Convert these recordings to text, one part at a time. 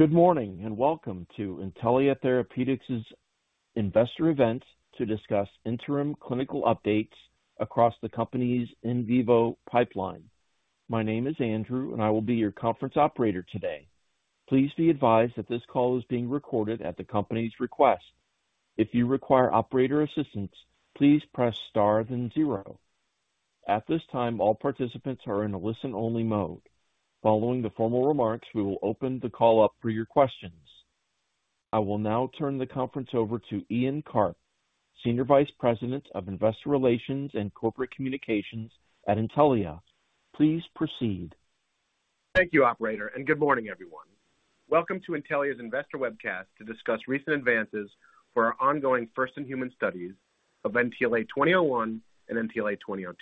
Good morning, and welcome to Intellia Therapeutics' investor event to discuss interim clinical updates across the company's in vivo pipeline. My name is Andrew, and I will be your conference operator today. Please be advised that this call is being recorded at the company's request. If you require operator assistance, please press star then zero. At this time, all participants are in a listen-only mode. Following the formal remarks, we will open the call up for your questions. I will now turn the conference over to Ian Karp, Senior Vice President of Investor Relations and Corporate Communications at Intellia. Please proceed. Thank you, operator, and good morning, everyone. Welcome to Intellia's investor webcast to discuss recent advances for our ongoing first-in-human studies of NTLA-2001 and NTLA-2002.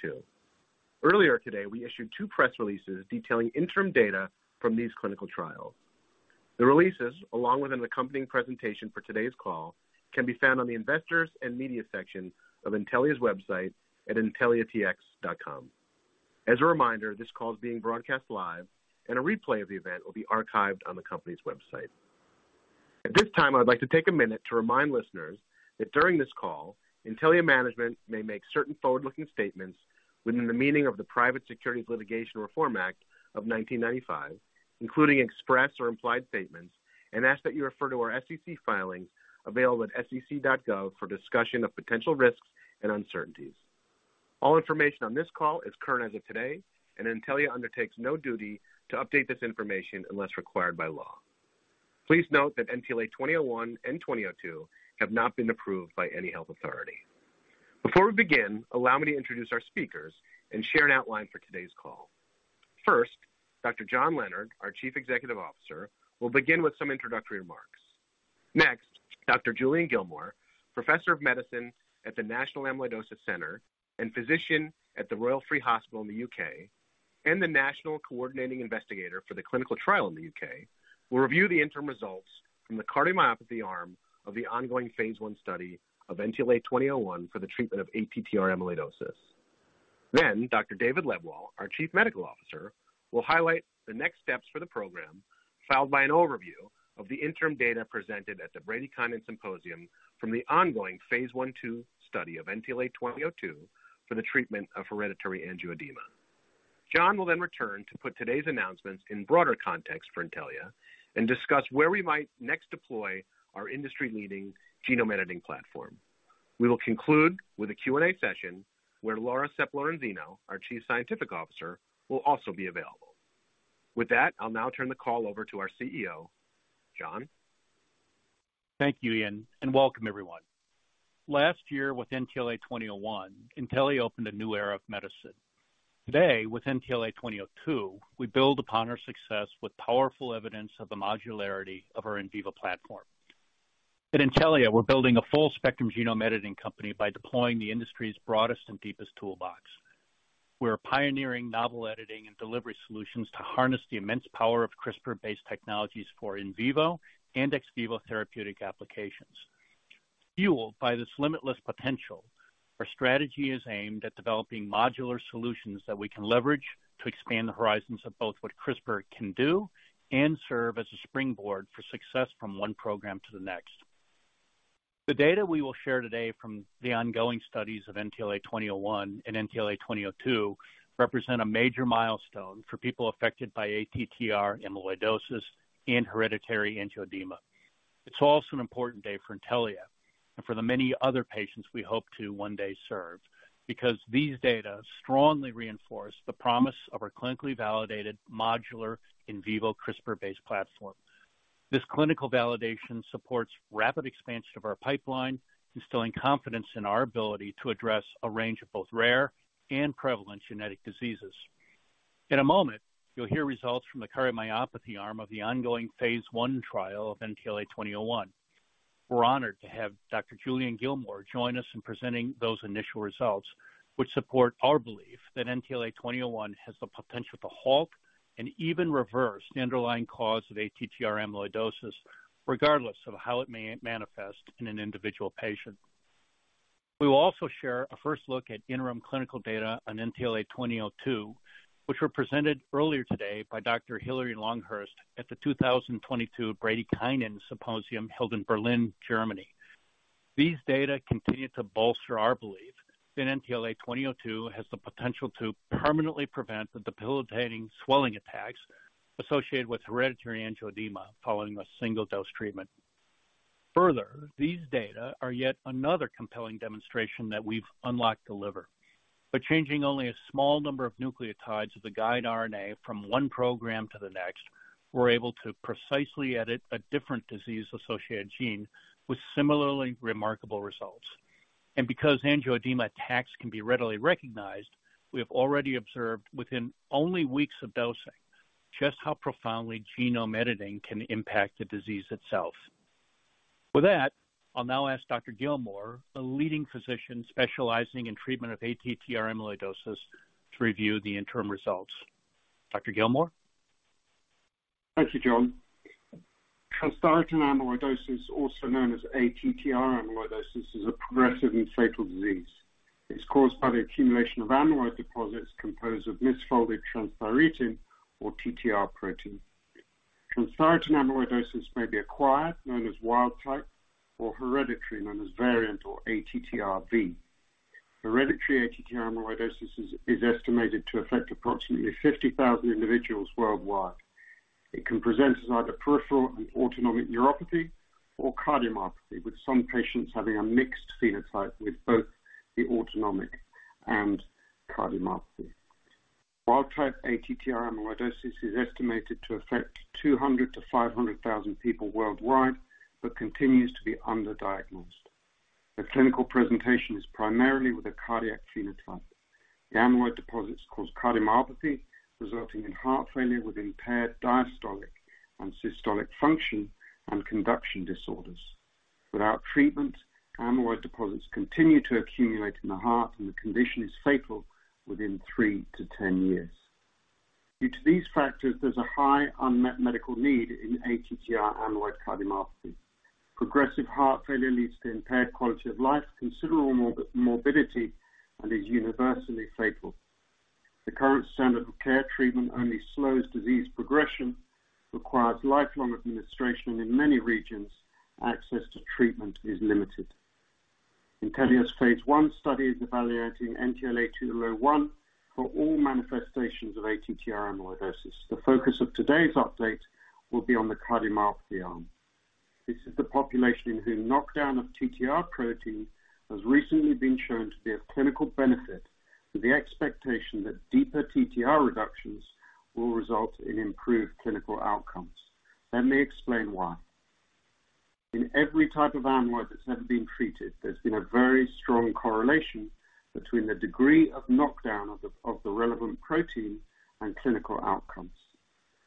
Earlier today, we issued two press releases detailing interim data from these clinical trials. The releases, along with an accompanying presentation for today's call, can be found on the Investors and Media section of Intellia's website at intelliatx.com. As a reminder, this call is being broadcast live, and a replay of the event will be archived on the company's website. At this time, I would like to take a minute to remind listeners that during this call, Intellia management may make certain forward-looking statements within the meaning of the Private Securities Litigation Reform Act of 1995, including express or implied statements, and ask that you refer to our SEC filings available at sec.gov for discussion of potential risks and uncertainties. All information on this call is current as of today, and Intellia undertakes no duty to update this information unless required by law. Please note that NTLA-2001 and NTLA-2002 have not been approved by any health authority. Before we begin, allow me to introduce our speakers and share an outline for today's call. First, Dr. John Leonard, our Chief Executive Officer, will begin with some introductory remarks. Next, Dr. Julian Gillmore, Professor of Medicine at the National Amyloidosis Centre and physician at the Royal Free Hospital in the UK, and the National Coordinating Investigator for the clinical trial in the UK, will review the interim results from the cardiomyopathy arm of the ongoing phase I study of NTLA-2001 for the treatment of ATTR amyloidosis. Then Dr. David Lebwohl, our Chief Medical Officer, will highlight the next steps for the program, followed by an overview of the interim data presented at the Bradykinin Symposium from the ongoing phase I-phase II study of NTLA-2002 for the treatment of hereditary angioedema. John will then return to put today's announcements in broader context for Intellia and discuss where we might next deploy our industry-leading genome editing platform. We will conclude with a Q&A session where Laura Sepp-Lorenzino, our Chief Scientific Officer, will also be available. With that, I'll now turn the call over to our Chief Executive Officer. John? Thank you, Ian, and welcome everyone. Last year, with NTLA-2001, Intellia opened a new era of medicine. Today, with NTLA-2002, we build upon our success with powerful evidence of the modularity of our in vivo platform. At Intellia, we're building a full spectrum genome editing company by deploying the industry's broadest and deepest toolbox. We're pioneering novel editing and delivery solutions to harness the immense power of CRISPR-based technologies for in vivo and ex vivo therapeutic applications. Fueled by this limitless potential, our strategy is aimed at developing modular solutions that we can leverage to expand the horizons of both what CRISPR can do and serve as a springboard for success from one program to the next. The data we will share today from the ongoing studies of NTLA-2001 and NTLA-2002 represent a major milestone for people affected by ATTR amyloidosis and hereditary angioedema. It's also an important day for Intellia and for the many other patients we hope to one day serve, because these data strongly reinforce the promise of our clinically validated modular in vivo CRISPR-based platform. This clinical validation supports rapid expansion of our pipeline, instilling confidence in our ability to address a range of both rare and prevalent genetic diseases. In a moment, you'll hear results from the cardiomyopathy arm of the ongoing phase I trial of NTLA-2001. We're honored to have Dr. Julian Gillmore join us in presenting those initial results, which support our belief that NTLA-2001 has the potential to halt and even reverse the underlying cause of ATTR amyloidosis, regardless of how it may manifest in an individual patient. We will also share a first look at interim clinical data on NTLA-2002, which were presented earlier today by Dr. Hilary Longhurst at the 2022 Bradykinin Symposium held in Berlin, Germany. These data continue to bolster our belief that NTLA-2002 has the potential to permanently prevent the debilitating swelling attacks associated with hereditary angioedema following a single dose treatment. Further, these data are yet another compelling demonstration that we've unlocked the liver. By changing only a small number of nucleotides of the guide RNA from one program to the next, we're able to precisely edit a different disease-associated gene with similarly remarkable results. Because angioedema attacks can be readily recognized, we have already observed within only weeks of dosing just how profoundly genome editing can impact the disease itself. With that, I'll now ask Dr. Julian Gillmore, a leading physician specializing in treatment of ATTR amyloidosis, to review the interim results. Dr. Julian Gillmore? Thank you, John. Transthyretin amyloidosis, also known as ATTR amyloidosis, is a progressive and fatal disease. It's caused by the accumulation of amyloid deposits composed of misfolded transthyretin or TTR protein. Transthyretin amyloidosis may be acquired, known as wild type, or hereditary, known as variant or ATTRv. Hereditary ATTR amyloidosis is estimated to affect approximately 50,000 individuals worldwide. It can present as either peripheral and autonomic neuropathy or cardiomyopathy, with some patients having a mixed phenotype with both the autonomic and cardiomyopathy. Wild type ATTR amyloidosis is estimated to affect 200,000 people-500,000 people worldwide, but continues to be underdiagnosed. The clinical presentation is primarily with a cardiac phenotype. The amyloid deposits cause cardiomyopathy, resulting in heart failure with impaired diastolic and systolic function and conduction disorders. Without treatment, amyloid deposits continue to accumulate in the heart, and the condition is fatal within three years to 10 years. Due to these factors, there's a high unmet medical need in ATTR amyloid cardiomyopathy. Progressive heart failure leads to impaired quality of life, considerable morbidity, and is universally fatal. The current standard of care treatment only slows disease progression, requires lifelong administration. In many regions, access to treatment is limited. Intellia's phase I study is evaluating NTLA-2001 for all manifestations of ATTR amyloidosis. The focus of today's update will be on the cardiomyopathy arm. This is the population in whom knockdown of TTR protein has recently been shown to be of clinical benefit, with the expectation that deeper TTR reductions will result in improved clinical outcomes. Let me explain why. In every type of amyloid that's ever been treated, there's been a very strong correlation between the degree of knockdown of the relevant protein and clinical outcomes.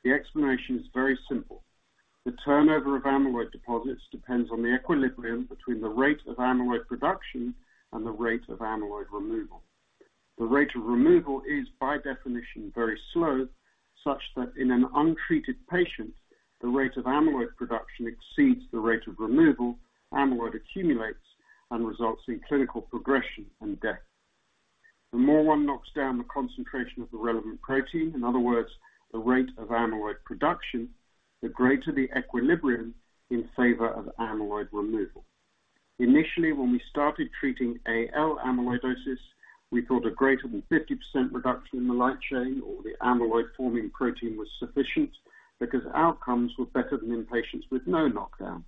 The explanation is very simple. The turnover of amyloid deposits depends on the equilibrium between the rate of amyloid production and the rate of amyloid removal. The rate of removal is, by definition, very slow, such that in an untreated patient, the rate of amyloid production exceeds the rate of removal, amyloid accumulates and results in clinical progression and death. The more one knocks down the concentration of the relevant protein, in other words, the rate of amyloid production, the greater the equilibrium in favor of amyloid removal. Initially, when we started treating AL amyloidosis, we thought a greater than 50% reduction in the light chain or the amyloid-forming protein was sufficient because outcomes were better than in patients with no knockdown.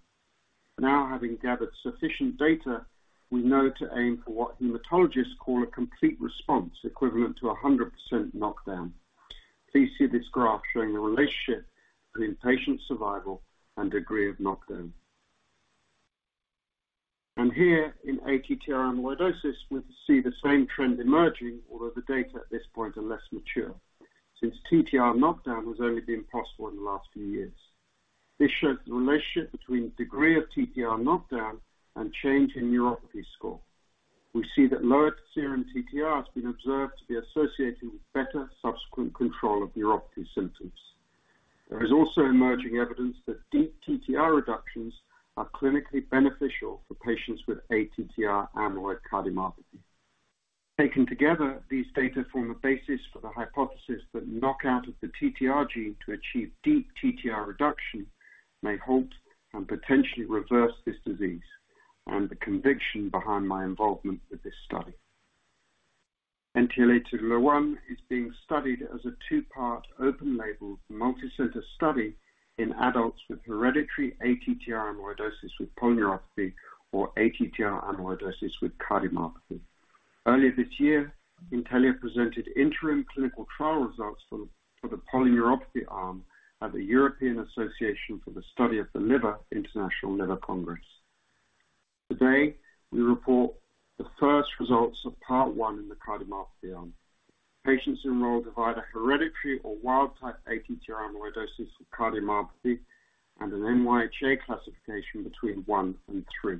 Now, having gathered sufficient data, we know to aim for what hematologists call a complete response, equivalent to a 100% knockdown. Please see this graph showing the relationship between patient survival and degree of knockdown. Here in ATTR amyloidosis, we see the same trend emerging, although the data at this point are less mature since TTR knockdown has only been possible in the last few years. This shows the relationship between degree of TTR knockdown and change in neuropathy score. We see that lower serum TTR has been observed to be associated with better subsequent control of neuropathy symptoms. There is also emerging evidence that deep TTR reductions are clinically beneficial for patients with ATTR amyloid cardiomyopathy. Taken together, these data form a basis for the hypothesis that knockout of the TTR gene to achieve deep TTR reduction may halt and potentially reverse this disease. Are the conviction behind my involvement with this study. NTLA-2001 is being studied as a two-part open label multicenter study in adults with hereditary ATTR amyloidosis with polyneuropathy or ATTR amyloidosis with cardiomyopathy. Earlier this year, Intellia presented interim clinical trial results for the polyneuropathy arm at the European Association for the Study of the Liver International Liver Congress. Today, we report the first results of part one in the cardiomyopathy arm. Patients enrolled have either hereditary or wild type ATTR amyloidosis with cardiomyopathy and an NYHA classification between one and three.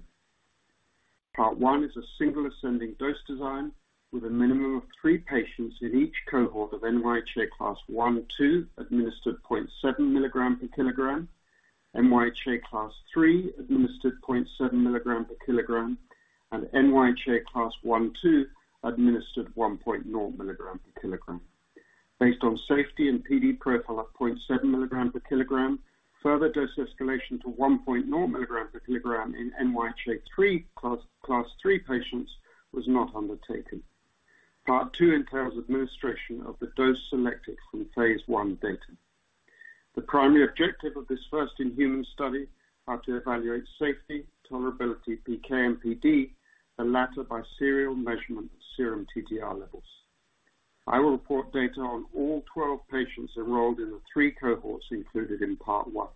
Part 1 is a single ascending dose design with a minimum of three patients in each cohort of NYHA class I/class II administered 0.7 mg/ /kg, NYHA class III administered 0.7 mg/kg and NYHA class 1/class II administered 1.0 mg/kg. Based on safety and PD profile at 0.7 mg/kg, further dose escalation to 1.0 mg/kg in NYHA 3, class III patients was not undertaken. Part 2 entails administration of the dose selected from phase I data. The primary objective of this first-in-human study are to evaluate safety, tolerability, PK, and PD, the latter by serial measurement of serum TTR levels. I will report data on all 12 patients enrolled in the three cohorts included in part 1.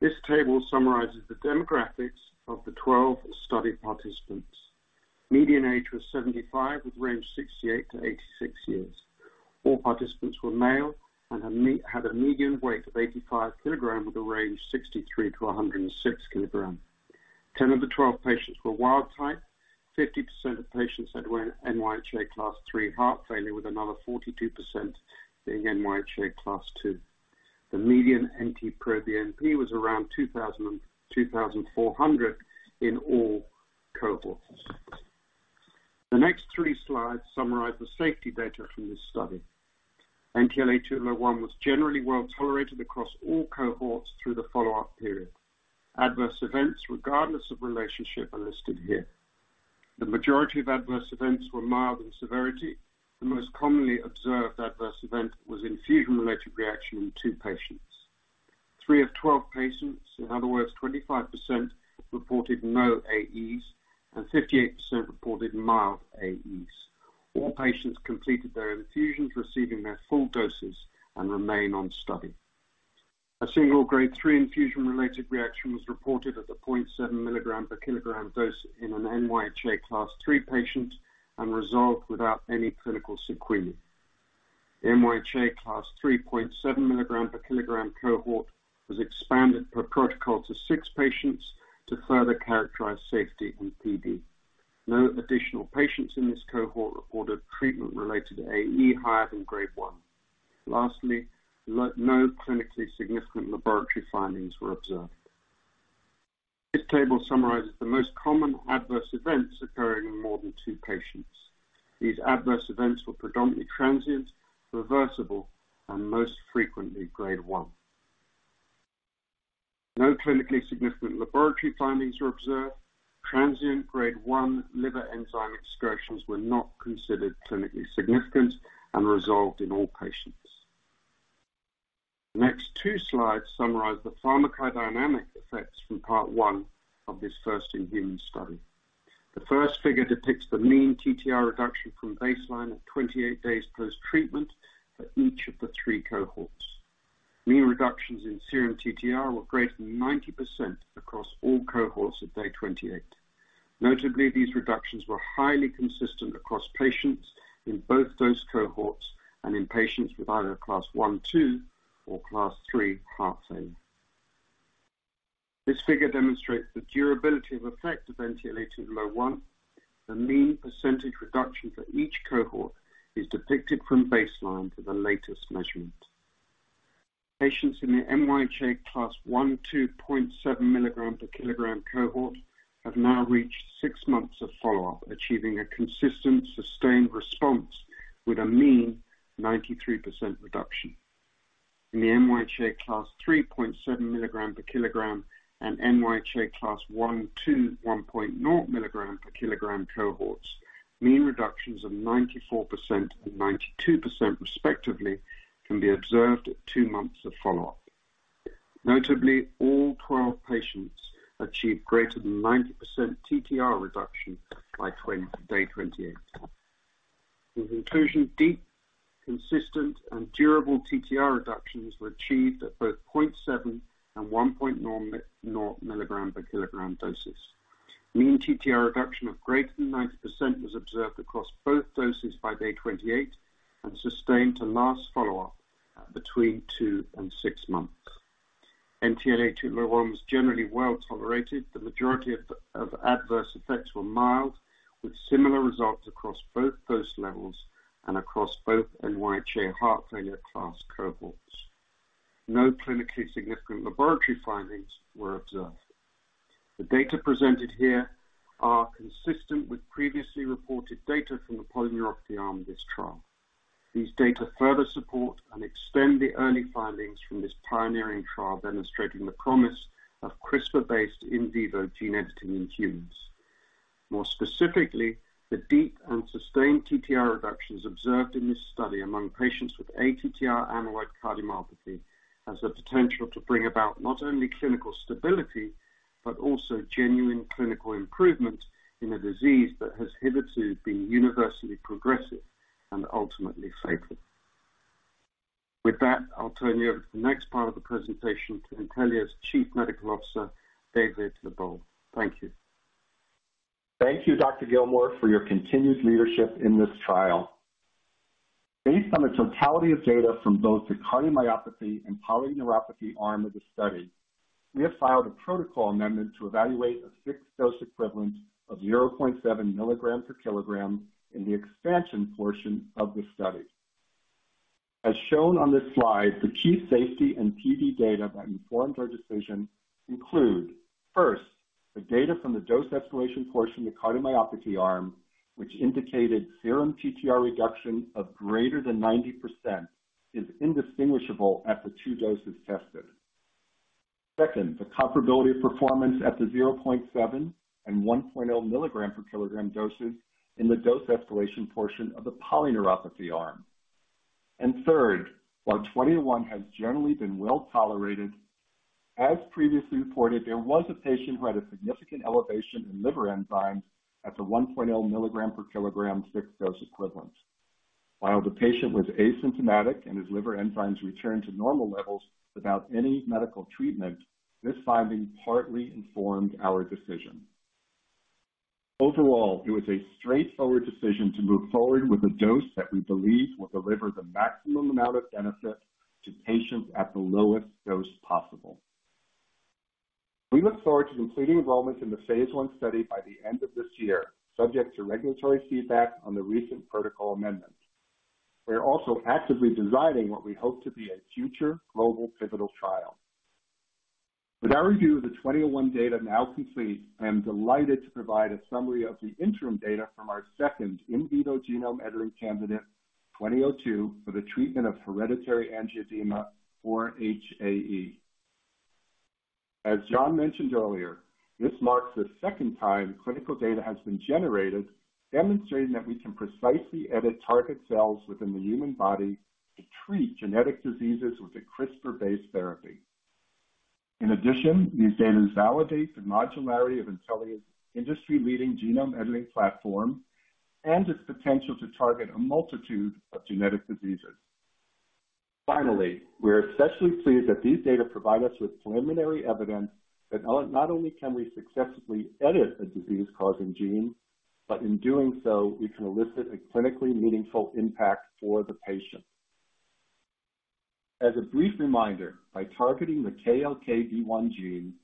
This table summarizes the demographics of the 12 study participants. Median age was 75 years, with range 68 years-86 years. All participants were male and had a median weight of 85 kg, with a range 63 kg-106 kg. 10 of the 12 patients were wild type. 50% of patients had NYHA class III heart failure, with another 42% being NYHA class II. The median NT-proBNP was around 2,000-2,400 in all cohorts. The next three slides summarize the safety data from this study. NTLA-2001 was generally well-tolerated across all cohorts through the follow-up period. Adverse events, regardless of relationship, are listed here. The majority of adverse events were mild in severity. The most commonly observed adverse event was infusion-related reaction in two patients. Three of 12 patients, in other words, 25%, reported no AEs, and 58% reported mild AEs. All patients completed their infusions, receiving their full doses, and remain on study. A single Grade 3 infusion-related reaction was reported at the 0.7 mg/kg dose in an NYHA Class III patient and resolved without any clinical sequelae. The NYHA Class III 0.7 mg/kg cohort was expanded per protocol to six patients to further characterize safety and PD. No additional patients in this cohort reported treatment-related AE higher than grade 1. No clinically significant laboratory findings were observed. This table summarizes the most common adverse events occurring in more than 2 patients. These adverse events were predominantly transient, reversible, and most frequently grade 1. No clinically significant laboratory findings were observed. Transient grade 1 liver enzyme excursions were not considered clinically significant and resolved in all patients. The next two slides summarize the pharmacodynamic effects from part 1 of this first-in-human study. The first figure depicts the mean TTR reduction from baseline at 28 days post-treatment for each of the three cohorts. Mean reductions in serum TTR were greater than 90% across all cohorts at day 28. Notably, these reductions were highly consistent across patients in both dose cohorts and in patients with either Class I, II or Class III heart failure. This figure demonstrates the durability of effect of NTLA-2001. The mean percentage reduction for each cohort is depicted from baseline to the latest measurement. Patients in the NYHA Class I, II 0.7 mg/kg cohort have now reached six months of follow-up, achieving a consistent, sustained response with a mean 93% reduction. In the NYHA Class III 0.7 mg/kg and NYHA Class I, II 1.0 mg/kg cohorts, mean reductions of 94% and 92% respectively can be observed at two months of follow-up. Notably, all 12 patients achieved greater than 90% TTR reduction by day 28. In conclusion, deep, consistent, and durable TTR reductions were achieved at both 0.7 and 1.0 mg/kg doses. Mean TTR reduction of greater than 90% was observed across both doses by day 28 and sustained to last follow-up at between two months and six months. NTLA-2001 was generally well-tolerated. The majority of adverse effects were mild, with similar results across both dose levels and across both NYHA heart failure class cohorts. No clinically significant laboratory findings were observed. The data presented here are consistent with previously reported data from the polyneuropathy arm of this trial. These data further support and extend the early findings from this pioneering trial demonstrating the promise of CRISPR-based in vivo gene editing in humans. More specifically, the deep and sustained TTR reductions observed in this study among patients with ATTR amyloid cardiomyopathy has the potential to bring about not only clinical stability, but also genuine clinical improvement in a disease that has hitherto been universally progressive and ultimately fatal. With that, I'll turn you over to the next part of the presentation to Intellia's Chief Medical Officer, David Lebwohl. Thank you. Thank you, Dr. Gillmore, for your continued leadership in this trial. Based on the totality of data from both the cardiomyopathy and polyneuropathy arm of the study, we have filed a protocol amendment to evaluate a fixed dose equivalent of 0.7 mgs /kg in the expansion portion of the study. As shown on this slide, the key safety and PD data that informed our decision include, first, the data from the dose escalation portion of the cardiomyopathy arm, which indicated serum TTR reduction of greater than 90% is indistinguishable at the two doses tested. Second, the comparability of performance at the 0.7 mg and 1.0 mg/kg doses in the dose escalation portion of the polyneuropathy arm. Third, while 21 has generally been well-tolerated, as previously reported, there was a patient who had a significant elevation in liver enzymes at the 1.0 mg/kg fixed-dose equivalent. While the patient was asymptomatic and his liver enzymes returned to normal levels without any medical treatment, this finding partly informed our decision. Overall, it was a straightforward decision to move forward with a dose that we believe will deliver the maximum amount of benefit to patients at the lowest dose possible. We look forward to completing enrollment in the phase I study by the end of this year, subject to regulatory feedback on the recent protocol amendments. We are also actively designing what we hope to be a future global pivotal trial. With our review of the NTLA-2001 data now complete, I am delighted to provide a summary of the interim data from our second in vivo genome editing candidate, NTLA-2002, for the treatment of hereditary angioedema, or HAE. As John mentioned earlier, this marks the second time clinical data has been generated, demonstrating that we can precisely edit target cells within the human body to treat genetic diseases with a CRISPR-based therapy. In addition, these data validate the modularity of Intellia's industry-leading genome editing platform and its potential to target a multitude of genetic diseases. Finally, we're especially pleased that these data provide us with preliminary evidence that not only can we successfully edit a disease-causing gene, but in doing so, we can elicit a clinically meaningful impact for the patient. As a brief reminder, by targeting the KLKB1 gene,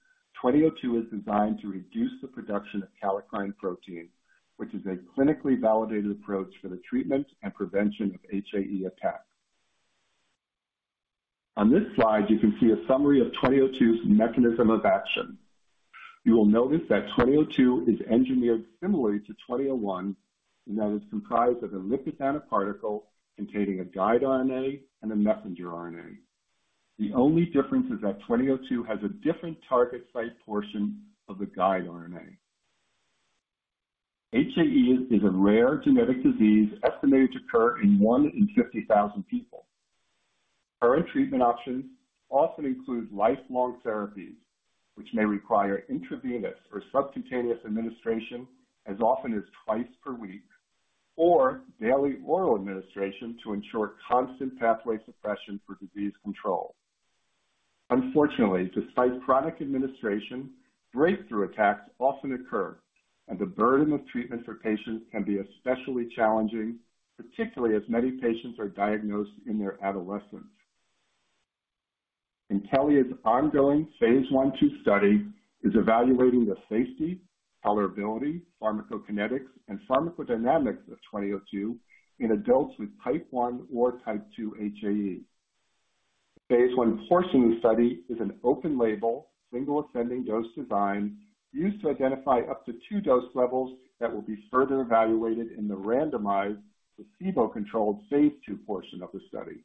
2002 is designed to reduce the production of kallikrein protein, which is a clinically validated approach for the treatment and prevention of HAE attacks. On this slide, you can see a summary of 2002's mechanism of action. You will notice that 2002 is engineered similarly to 2001 in that it's comprised of a lipid nanoparticle containing a guide RNA and a messenger RNA. The only difference is that 2002 has a different target site portion of the guide RNA. HAE is a rare genetic disease estimated to occur in 1 in 50,000 people. Current treatment options often include lifelong therapies, which may require intravenous or subcutaneous administration as often as twice per week, or daily oral administration to ensure constant pathway suppression for disease control. Unfortunately, despite chronic administration, breakthrough attacks often occur, and the burden of treatment for patients can be especially challenging, particularly as many patients are diagnosed in their adolescence. Intellia's ongoing phase I/phase II study is evaluating the safety, tolerability, pharmacokinetics, and pharmacodynamics of NTLA-2002 in adults with type 1 HAE or type 2 HAE. The phase I portion of the study is an open label, single ascending dose design used to identify up to two dose levels that will be further evaluated in the randomized placebo-controlled phase II portion of the study.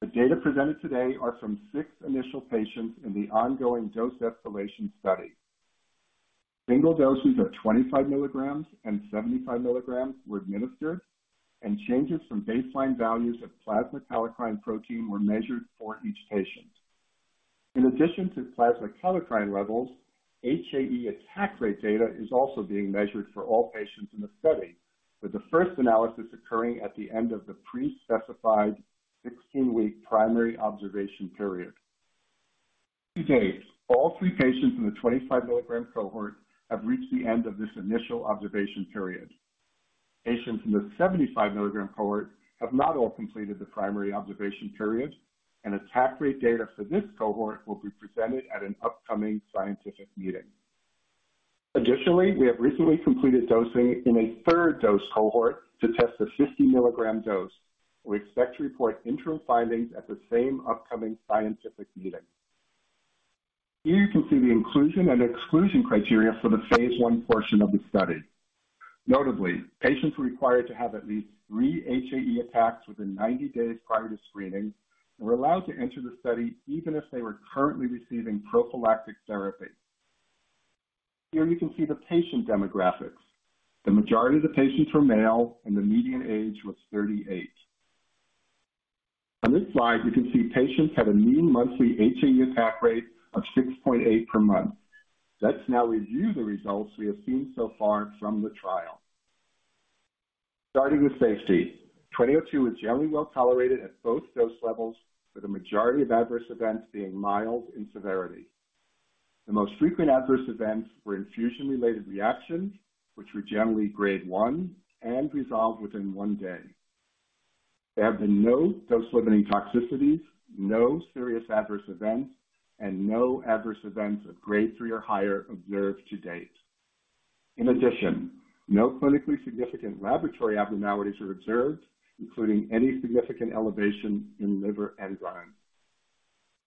The data presented today are from six initial patients in the ongoing dose escalation study. Single doses of 25 mg and 75 mg were administered, and changes from baseline values of plasma kallikrein protein were measured for each patient. In addition to plasma kallikrein levels, HAE attack rate data is also being measured for all patients in the study, with the first analysis occurring at the end of the pre-specified 16-week primary observation period. To date, all three patients in the 25 mg cohort have reached the end of this initial observation period. Patients in the 75 mg cohort have not all completed the primary observation period, and attack rate data for this cohort will be presented at an upcoming scientific meeting. Additionally, we have recently completed dosing in a third dose cohort to test a 50 mg dose. We expect to report interim findings at the same upcoming scientific meeting. Here you can see the inclusion and exclusion criteria for the phase I portion of the study. Notably, patients were required to have at least three HAE attacks within 90 days prior to screening and were allowed to enter the study even if they were currently receiving prophylactic therapy. Here you can see the patient demographics. The majority of the patients were male and the median age was 38 years. On this slide, you can see patients had a mean monthly HAE attack rate of 6.8 per month. Let's now review the results we have seen so far from the trial. Starting with safety, NTLA-2002 was generally well tolerated at both dose levels, with the majority of adverse events being mild in severity. The most frequent adverse events were infusion-related reactions, which were generally grade 1 and resolved within 1 day. There have been no dose-limiting toxicities, no serious adverse events, and no adverse events of grade 3 or higher observed to date. In addition, no clinically significant laboratory abnormalities were observed, including any significant elevation in liver enzymes.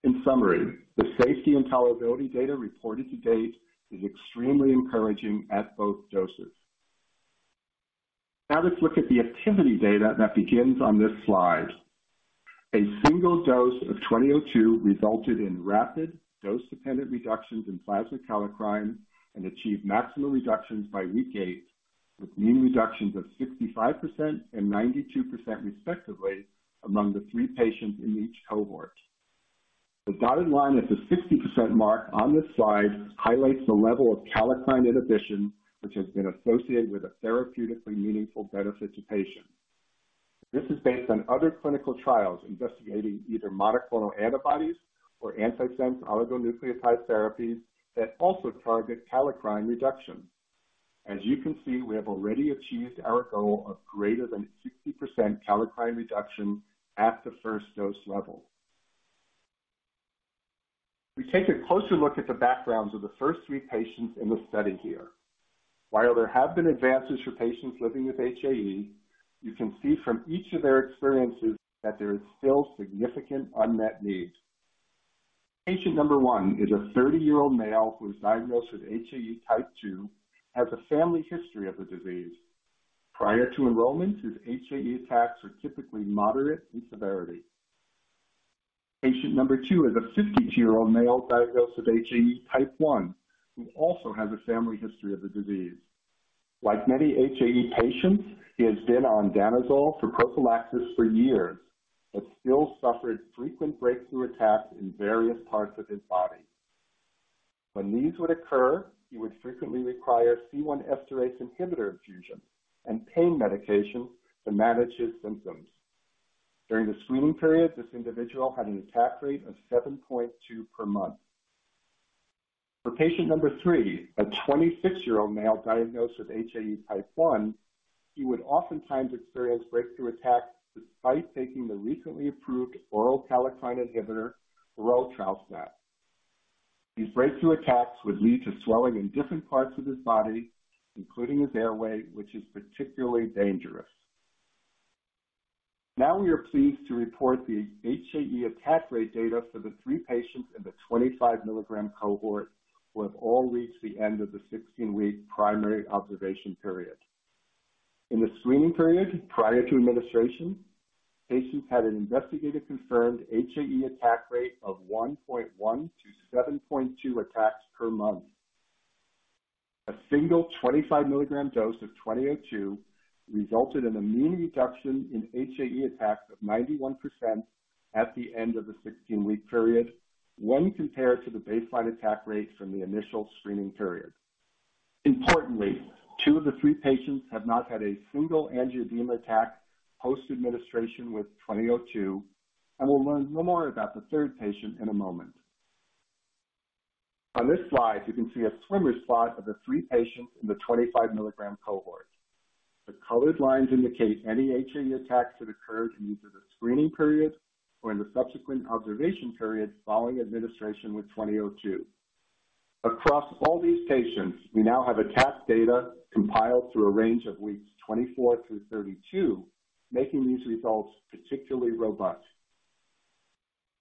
In summary, the safety and tolerability data reported to date is extremely encouraging at both doses. Now let's look at the activity data that begins on this slide. A single dose of NTLA-2002 resulted in rapid dose-dependent reductions in plasma kallikrein and achieved maximum reductions by week eight, with mean reductions of 65% and 92% respectively among the three patients in each cohort. The dotted line at the 60% mark on this slide highlights the level of kallikrein inhibition, which has been associated with a therapeutically meaningful benefit to patients. This is based on other clinical trials investigating either monoclonal antibodies or antisense oligonucleotide therapies that also target kallikrein reduction. As you can see, we have already achieved our goal of greater than 60% kallikrein reduction at the first dose level. We take a closer look at the backgrounds of the first three patients in the study here. While there have been advances for patients living with HAE, you can see from each of their experiences that there is still significant unmet needs. Patient number one is a 30-year-old male who was diagnosed with HAE type 2, has a family history of the disease. Prior to enrollment, his HAE attacks were typically moderate in severity. Patient number two is a 52-year-old male diagnosed with HAE type 1, who also has a family history of the disease. Like many HAE patients, he has been on danazol for prophylaxis for years, but still suffered frequent breakthrough attacks in various parts of his body. When these would occur, he would frequently require C1 esterase inhibitor infusion and pain medication to manage his symptoms. During the screening period, this individual had an attack rate of 7.2 per month. For patient number three, a 26-year-old male diagnosed with HAE type one, he would oftentimes experience breakthrough attacks despite taking the recently approved oral kallikrein inhibitor, berotralstat. These breakthrough attacks would lead to swelling in different parts of his body, including his airway, which is particularly dangerous. Now we are pleased to report the HAE attack rate data for the three patients in the 25 mg cohort who have all reached the end of the 16-week primary observation period. In the screening period prior to administration, patients had an investigator-confirmed HAE attack rate of 1.1 attacks-7.2 attacks per month. A single 25 mg dose of 2002 resulted in a mean reduction in HAE attacks of 91% at the end of the 16-week period when compared to the baseline attack rate from the initial screening period. Importantly, two of the three patients have not had a single angioedema attack post administration with 2002, and we'll learn more about the third patient in a moment. On this slide, you can see a swimmer's plot of the three patients in the 25 mg cohort. The colored lines indicate any HAE attacks that occurred in either the screening period or in the subsequent observation period following administration with 2002. Across all these patients, we now have attack data compiled through a range of weeks 24 through 32 weeks, making these results particularly robust.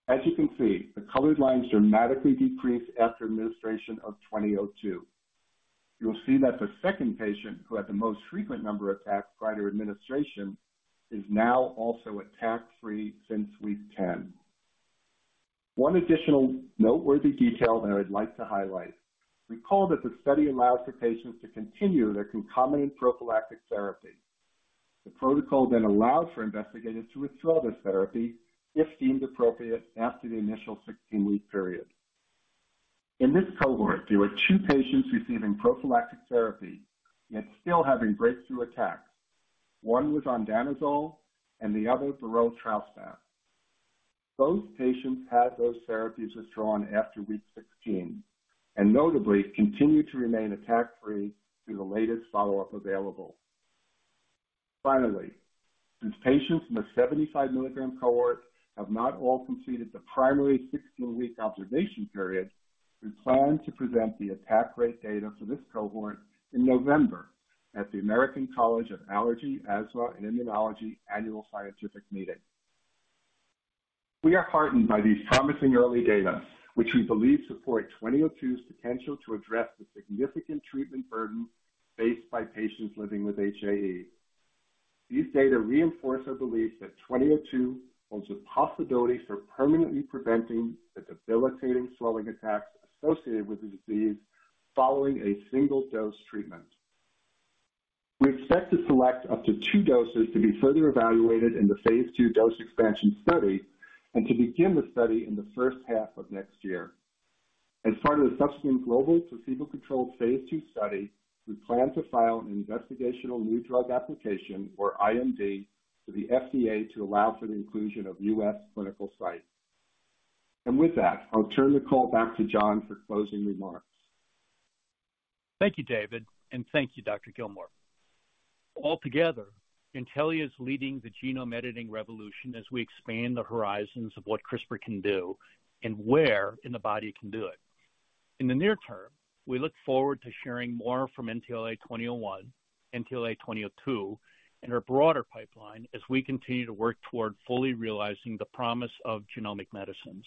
As you can see, the colored lines dramatically decrease after administration of 2002. You'll see that the second patient, who had the most frequent number of attacks prior to administration, is now also attack-free since week 10. One additional noteworthy detail that I'd like to highlight. Recall that the study allows for patients to continue their concomitant prophylactic therapy. The protocol then allows for investigators to withdraw this therapy if deemed appropriate after the initial 16-week period. In this cohort, there were two patients receiving prophylactic therapy, yet still having breakthrough attacks. One was on danazol and the other berotralstat. Both patients had those therapies withdrawn after week 16, and notably continued to remain attack-free through the latest follow-up available. Finally, since patients in the 75 mg cohort have not all completed the primary 16-week observation period, we plan to present the attack rate data for this cohort in November at the American College of Allergy, Asthma & Immunology Annual Scientific Meeting. We are heartened by these promising early data, which we believe support NTLA-2002's potential to address the significant treatment burden faced by patients living with HAE. These data reinforce our belief that NTLA-2002 holds a possibility for permanently preventing the debilitating swelling attacks associated with the disease following a single dose treatment. We expect to select up to two doses to be further evaluated in the phase II dose expansion study and to begin the study in the first half of next year. As part of the subsequent global placebo-controlled phase II study, we plan to file an investigational new drug application, or IND, to the FDA to allow for the inclusion of U.S. clinical sites. With that, I'll turn the call back to John for closing remarks. Thank you, David. Thank you, Dr. Gillmore. Altogether, Intellia is leading the genome editing revolution as we expand the horizons of what CRISPR can do and where in the body it can do it. In the near term, we look forward to sharing more from NTLA-2001, NTLA-2002, and our broader pipeline as we continue to work toward fully realizing the promise of genomic medicines.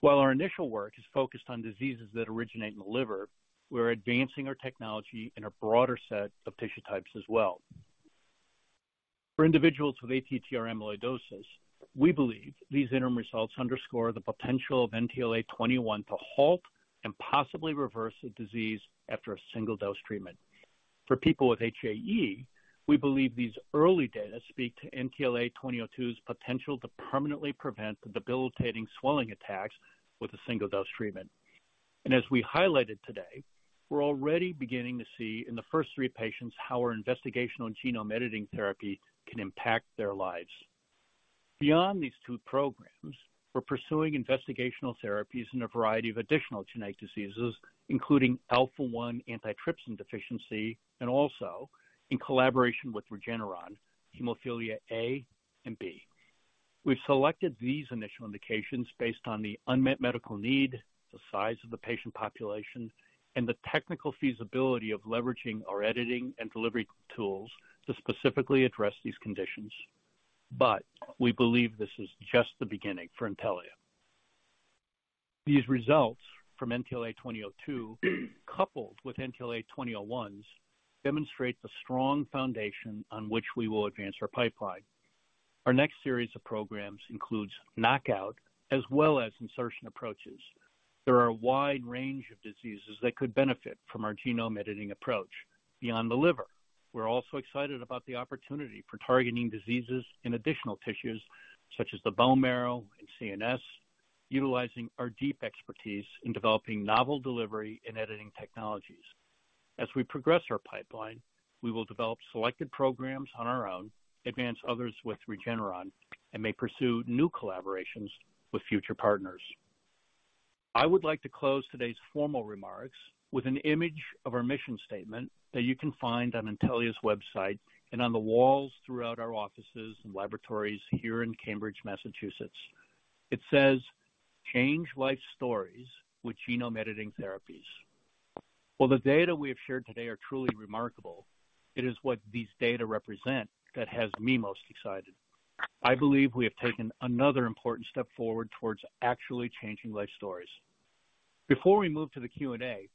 While our initial work is focused on diseases that originate in the liver, we're advancing our technology in a broader set of tissue types as well. For individuals with ATTR amyloidosis, we believe these interim results underscore the potential of NTLA-2001 to halt and possibly reverse the disease after a single dose treatment. For people with HAE, we believe these early data speak to NTLA-2002's potential to permanently prevent the debilitating swelling attacks with a single dose treatment. As we highlighted today, we're already beginning to see in the first three patients how our investigational genome editing therapy can impact their lives. Beyond these two programs, we're pursuing investigational therapies in a variety of additional genetic diseases, including alpha-1 antitrypsin deficiency, and also in collaboration with Regeneron, hemophilia A and hemophilia B. We've selected these initial indications based on the unmet medical need, the size of the patient population, and the technical feasibility of leveraging our editing and delivery tools to specifically address these conditions. We believe this is just the beginning for Intellia. These results from NTLA-2002, coupled with NTLA-2001's, demonstrate the strong foundation on which we will advance our pipeline. Our next series of programs includes knockout as well as insertion approaches. There are a wide range of diseases that could benefit from our genome editing approach beyond the liver. We're also excited about the opportunity for targeting diseases in additional tissues such as the bone marrow and CNS, utilizing our deep expertise in developing novel delivery and editing technologies. As we progress our pipeline, we will develop selected programs on our own, advance others with Regeneron, and may pursue new collaborations with future partners. I would like to close today's formal remarks with an image of our mission statement that you can find on Intellia's website and on the walls throughout our offices and laboratories here in Cambridge, Massachusetts. It says, "Change life stories with genome editing therapies." While the data we have shared today are truly remarkable, it is what these data represent that has me most excited. I believe we have taken another important step forward towards actually changing life stories. Before we move to the Q&A,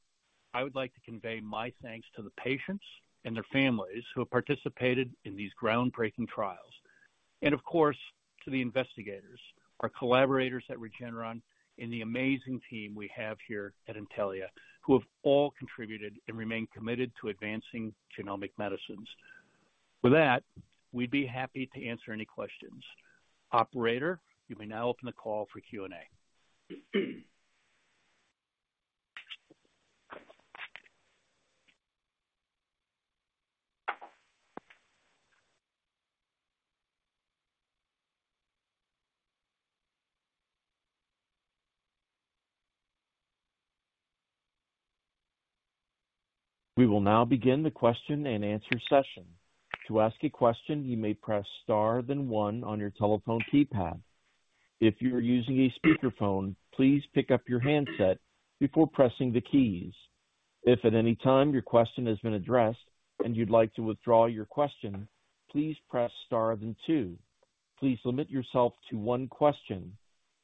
I would like to convey my thanks to the patients and their families who have participated in these groundbreaking trials, and of course, to the investigators, our collaborators at Regeneron, and the amazing team we have here at Intellia, who have all contributed and remain committed to advancing genomic medicines. With that, we'd be happy to answer any questions. Operator, you may now open the call for Q&A. We will now begin the question-and-answer session. To ask a question, you may press star then one on your telephone keypad. If you are using a speakerphone, please pick up your handset before pressing the keys. If at any time your question has been addressed and you'd like to withdraw your question, please press star then two. Please limit yourself to one question.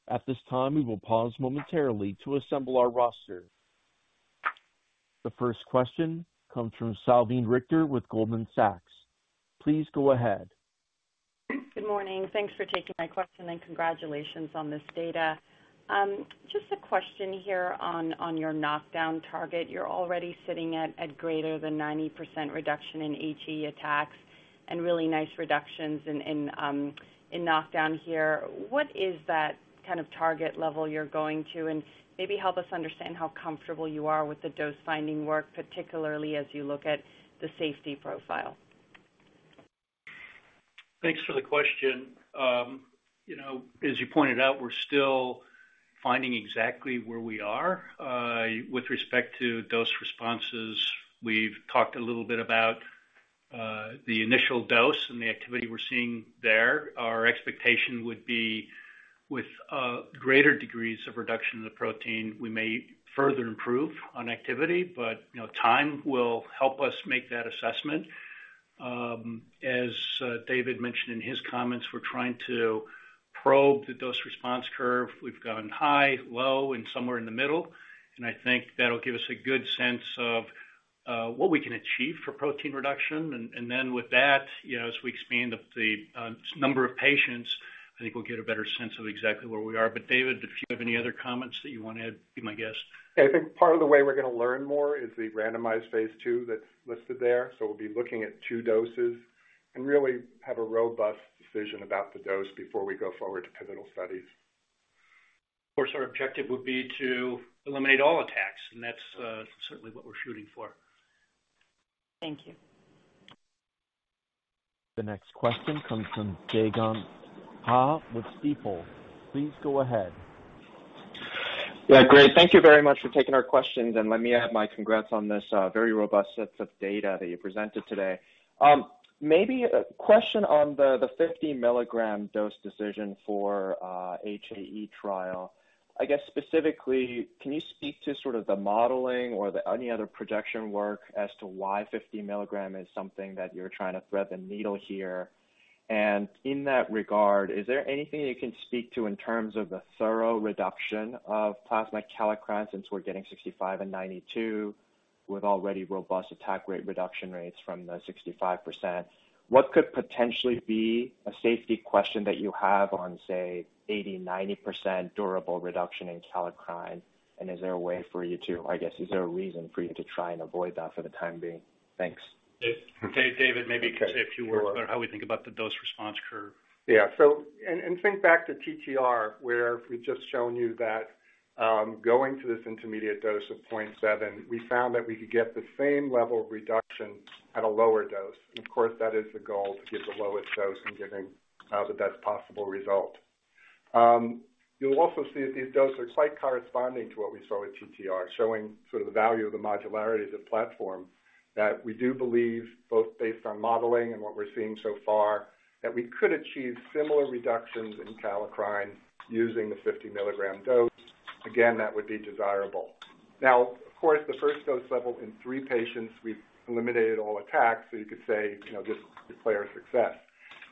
At this time, we will pause momentarily to assemble our roster. The first question comes from Salveen Richter with Goldman Sachs. Please go ahead. Good morning. Thanks for taking my question, and congratulations on this data. Just a question here on your knockdown target. You're already sitting at greater than 90% reduction in HAE attacks and really nice reductions in knockdown here. What is that kind of target level you're going to? And maybe help us understand how comfortable you are with the dose finding work, particularly as you look at the safety profile. Thanks for the question. You know, as you pointed out, we're still finding exactly where we are with respect to dose responses. We've talked a little bit about the initial dose and the activity we're seeing there. Our expectation would be with greater degrees of reduction in the protein, we may further improve on activity, but you know, time will help us make that assessment. As David mentioned in his comments, we're trying to probe the dose response curve. We've gone high, low, and somewhere in the middle, and I think that'll give us a good sense of what we can achieve for protein reduction. With that, you know, as we expand the number of patients, I think we'll get a better sense of exactly where we are. David, if you have any other comments that you want to add, be my guest. I think part of the way we're gonna learn more is the randomized phase II that's listed there. We'll be looking at two doses and really have a robust decision about the dose before we go forward to pivotal studies. Of course, our objective would be to eliminate all attacks, and that's certainly what we're shooting for. Thank you. The next question comes from Dae Gon Ha with Stifel. Please go ahead. Yeah, great. Thank you very much for taking our questions, and let me add my congrats on this very robust sets of data that you presented today. Maybe a question on the 50-mg dose decision for the HAE trial. I guess specifically, can you speak to sort of the modeling or any other projection work as to why 50-mg is something that you're trying to thread the needle here? And in that regard, is there anything you can speak to in terms of the target reduction of plasma kallikrein since we're getting 65% and 92% with already robust attack rate reduction rates from the 65%? What could potentially be a safety question that you have on, say, 80%, 90% durable reduction in kallikrein? I guess, is there a reason for you to try and avoid that for the time being? Thanks. David, maybe you could say a few words about how we think about the dose-response curve. Yeah. Think back to TTR, where we've just shown you that, going to this intermediate dose of 0.7 mg, we found that we could get the same level of reduction at a lower dose. Of course, that is the goal, to get the lowest dose and getting the best possible result. You'll also see that these doses are quite corresponding to what we saw with TTR, showing sort of the value of the modularity of the platform, that we do believe, both based on modeling and what we're seeing so far, that we could achieve similar reductions in kallikrein using the 50 mg dose. Again, that would be desirable. Now, of course, the first dose level in three patients, we've eliminated all attacks, so you could say, you know, this could declare a success.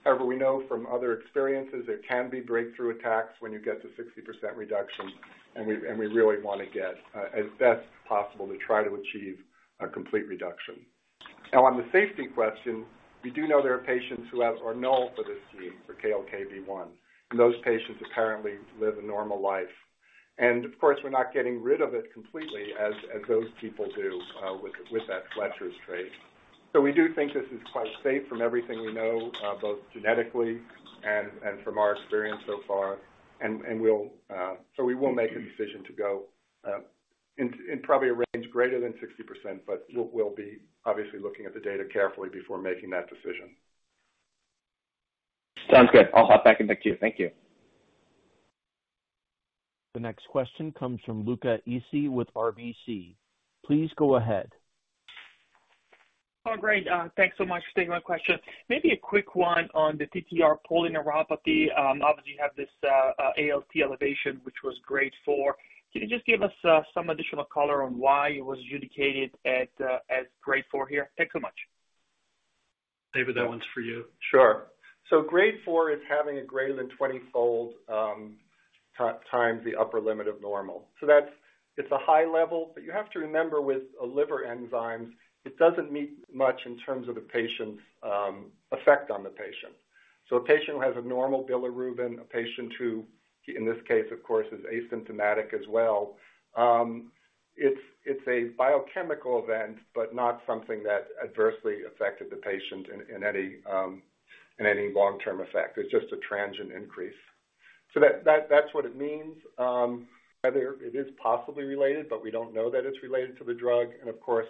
However, we know from other experiences there can be breakthrough attacks when you get to 60% reduction, and we really want to get as best possible to try to achieve a complete reduction. Now, on the safety question, we do know there are patients who have or null for this gene, for KLKB1, and those patients apparently live a normal life. Of course, we're not getting rid of it completely as those people do with that Fletcher trait. We do think this is quite safe from everything we know both genetically and from our experience so far. We will make a decision to go in probably a range greater than 60%, but we'll be obviously looking at the data carefully before making that decision. Sounds good. I'll hop back to you. Thank you. The next question comes from Luca Issi with RBC. Please go ahead. Oh, great. Thanks so much for taking my question. Maybe a quick one on the TTR polyneuropathy. Obviously, you have this ALT elevation, which was grade four. Can you just give us some additional color on why it was adjudicated as grade four here? Thanks so much. David, that one's for you. Sure. Grade four is having a greater than 20x the upper limit of normal. That's a high level, but you have to remember with a liver enzyme, it doesn't mean much in terms of the patient's effect on the patient. A patient who has a normal bilirubin, a patient who, in this case, of course, is asymptomatic as well, it's a biochemical event, but not something that adversely affected the patient in any long-term effect. It's just a transient increase. That's what it means. Whether it is possibly related, but we don't know that it's related to the drug. Of course,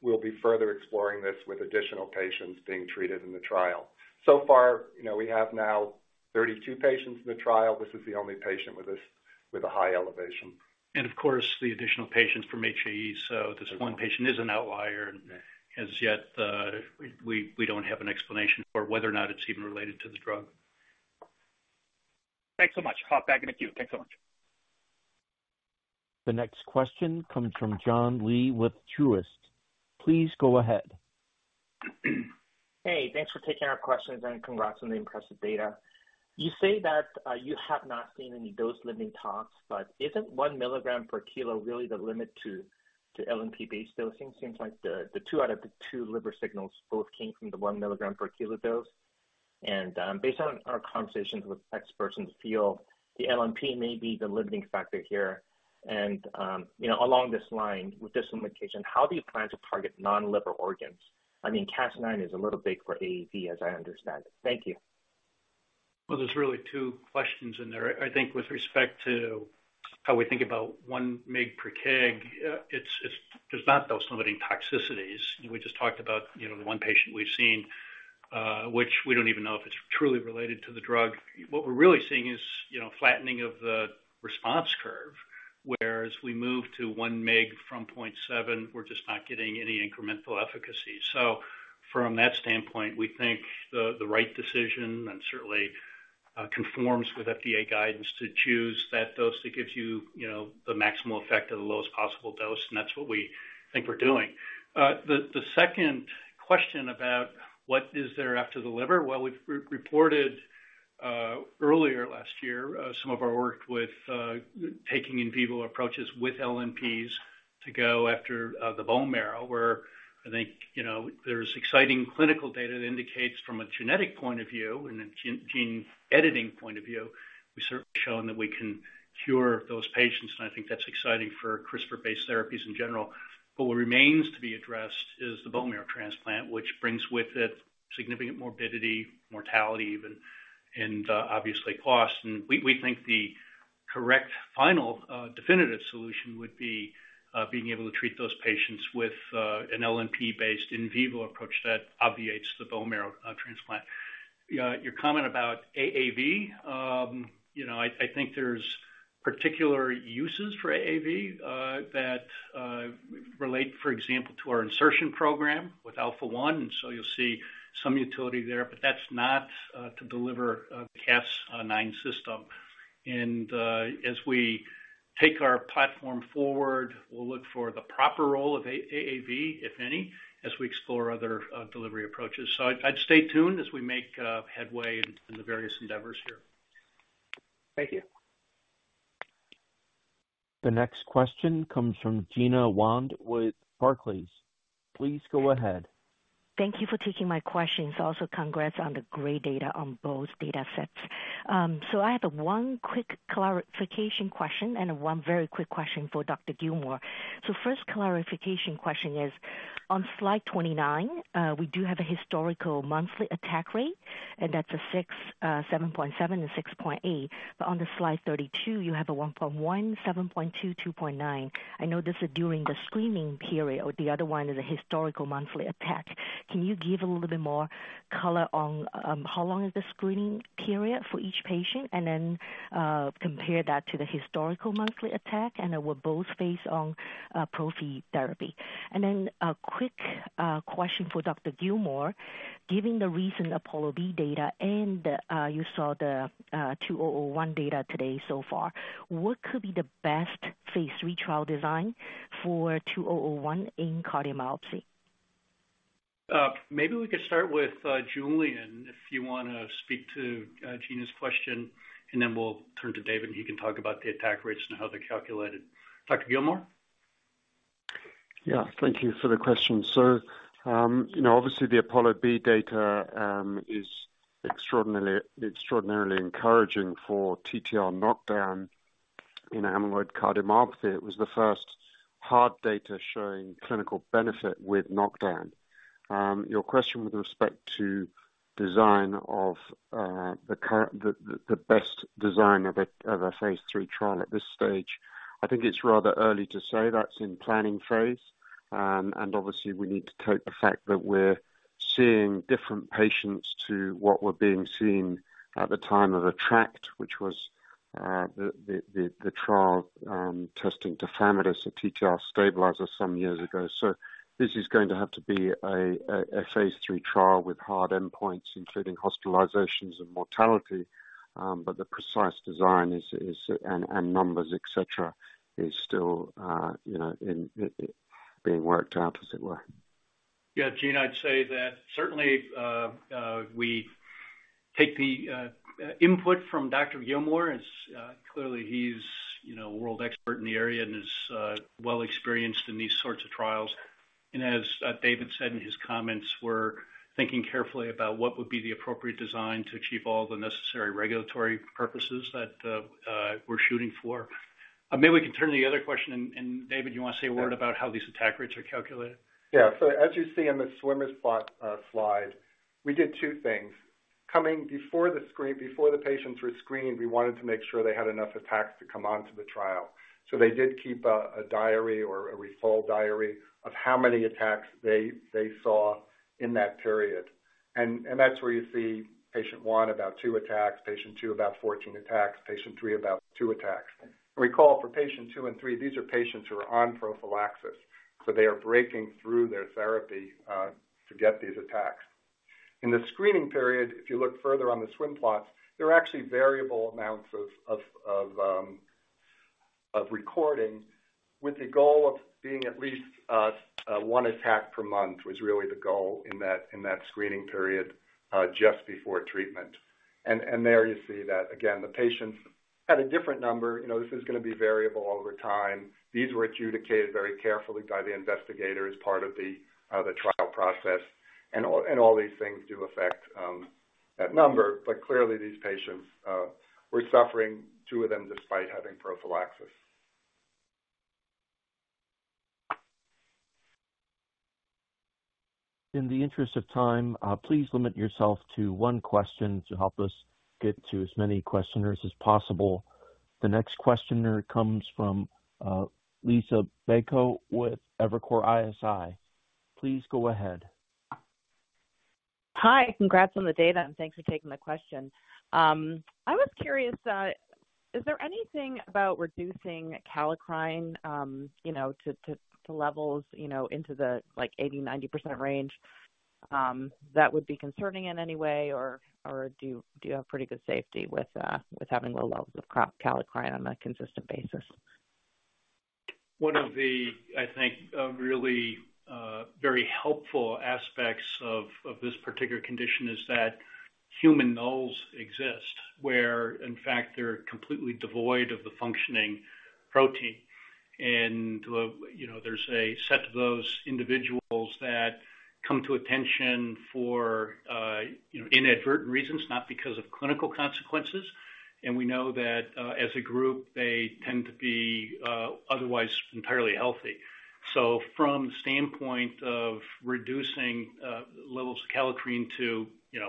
we'll be further exploring this with additional patients being treated in the trial. So far, you know, we have now 32 patients in the trial. This is the only patient with this, with a high elevation. Of course, the additional patients from HE. This one patient is an outlier and as yet, we don't have an explanation for whether or not it's even related to the drug. Thanks so much. Hop back in the queue. Thanks so much. The next question comes from Joon Lee with Truist. Please go ahead. Hey, thanks for taking our questions and congrats on the impressive data. You say that, you have not seen any dose-limiting tox, but isn't 1 mg per kilo really the limit to LNP-based dosing? Seems like the 2 out of the 2 liver signals both came from the 1 mg per kilo dose. Based on our conversations with experts in the field, the LNP may be the limiting factor here. You know, along this line, with this limitation, how do you plan to target non-liver organs? I mean, Cas9 is a little big for AAV, as I understand it. Thank you. Well, there's really two questions in there. I think with respect to how we think about 1 mg per kg, it's, there's not those limiting toxicities. We just talked about, you know, the one patient we've seen, which we don't even know if it's truly related to the drug. What we're really seeing is, you know, flattening of the response curve, whereas we move to 1 mg from 0.7 mg, we're just not getting any incremental efficacy. From that standpoint, we think the right decision and certainly conforms with FDA guidance to choose that dose that gives you know, the maximal effect of the lowest possible dose, and that's what we think we're doing. The second question about what is there after the liver, well, we've re-reported earlier last year some of our work with taking in vivo approaches with LNPs to go after the bone marrow, where I think, you know, there's exciting clinical data that indicates from a genetic point of view and a gene editing point of view, we've certainly shown that we can cure those patients, and I think that's exciting for CRISPR-based therapies in general. But what remains to be addressed is the bone marrow transplant, which brings with it significant morbidity, mortality even, and obviously cost. We think the correct final definitive solution would be being able to treat those patients with an LNP-based in vivo approach that obviates the bone marrow transplant. Your comment about AAV, you know, I think there's particular uses for AAV that relate, for example, to our insertion program with alpha-1, and so you'll see some utility there, but that's not to deliver a Cas9 system. As we take our platform forward, we'll look for the proper role of AAV, if any, as we explore other delivery approaches. I'd stay tuned as we make headway in the various endeavors here. Thank you. The next question comes from Gena Wang with Barclays. Please go ahead. Thank you for taking my questions. Also congrats on the great data on both datasets. I have one quick clarification question and one very quick question for Dr. Julian Gillmore. First clarification question is. On Slide 29, we do have a historical monthly attack rate, and that's a 6.7 attack rate and 6.8 attack rate. On Slide 32, you have a 1.1 attack rate, 7.22.9 attack rate. I know this is during the screening period. The other one is a historical monthly attack. Can you give a little bit more color on how long is the screening period for each patient? Compare that to the historical monthly attack, and they were both based on prophy therapy. Then a quick question for Dr. Gilmore. Given the recent APOLLO-B data and you saw the 2001 data today so far, what could be the best phase III trial design for 2001 in cardiomyopathy? Maybe we could start with Julian, if you wanna speak to Gena's question, and then we'll turn to David, and he can talk about the attack rates and how they're calculated. Dr. Gillmore? Yeah. Thank you for the question. You know, obviously the APOLLO-B data is extraordinarily encouraging for TTR knockdown in amyloid cardiomyopathy. It was the first hard data showing clinical benefit with knockdown. Your question with respect to design of the best design of a phase III trial at this stage, I think it's rather early to say. That's in planning phase. Obviously we need to take the fact that we're seeing different patients to what were being seen at the time of ATTR-ACT, which was the trial testing tafamidis, a TTR stabilizer some years ago. This is going to have to be a phase III trial with hard endpoints, including hospitalizations and mortality. The precise design is. Numbers, et cetera, is still, you know, in being worked out, as it were. Yeah. Gena, I'd say that certainly, we take the input from Dr. Gilmore, as clearly he's, you know, a world expert in the area and is well experienced in these sorts of trials. As David said in his comments, we're thinking carefully about what would be the appropriate design to achieve all the necessary regulatory purposes that we're shooting for. Maybe we can turn to the other question. David, you wanna say a word about how these attack rates are calculated? Yeah. As you see in the swim plot slide, we did two things. Prior to screening, before the patients were screened, we wanted to make sure they had enough attacks to come onto the trial. They did keep a diary or a paper diary of how many attacks they saw in that period. That's where you see patient one about two attacks, patient two about 14 attacks, patient three about two attacks. Recall for patient two and patient 3, these are patients who are on prophylaxis, so they are breaking through their therapy to get these attacks. In the screening period, if you look further on the swim plots, there are actually variable amounts of recording with the goal of being at least one attack per month was really the goal in that screening period just before treatment. There you see that again, the patients had a different number. You know, this is gonna be variable over time. These were adjudicated very carefully by the investigators, part of the trial process. All these things do affect that number. Clearly these patients were suffering two of them despite having prophylaxis. In the interest of time, please limit yourself to one question to help us get to as many questioners as possible. The next questioner comes from Liisa Bayko with Evercore ISI. Please go ahead. Hi. Congrats on the data, and thanks for taking my question. I was curious, is there anything about reducing kallikrein, you know, to levels, you know, into the like 80%-90% range, that would be concerning in any way? Or, do you have pretty good safety with having low levels of kallikrein on a consistent basis? One of the, I think, really very helpful aspects of this particular condition is that human nulls exist, where in fact they're completely devoid of the functioning protein. You know, there's a set of those individuals that come to attention for you know, inadvertent reasons, not because of clinical consequences. We know that, as a group, they tend to be otherwise entirely healthy. From the standpoint of reducing levels of kallikrein to you know,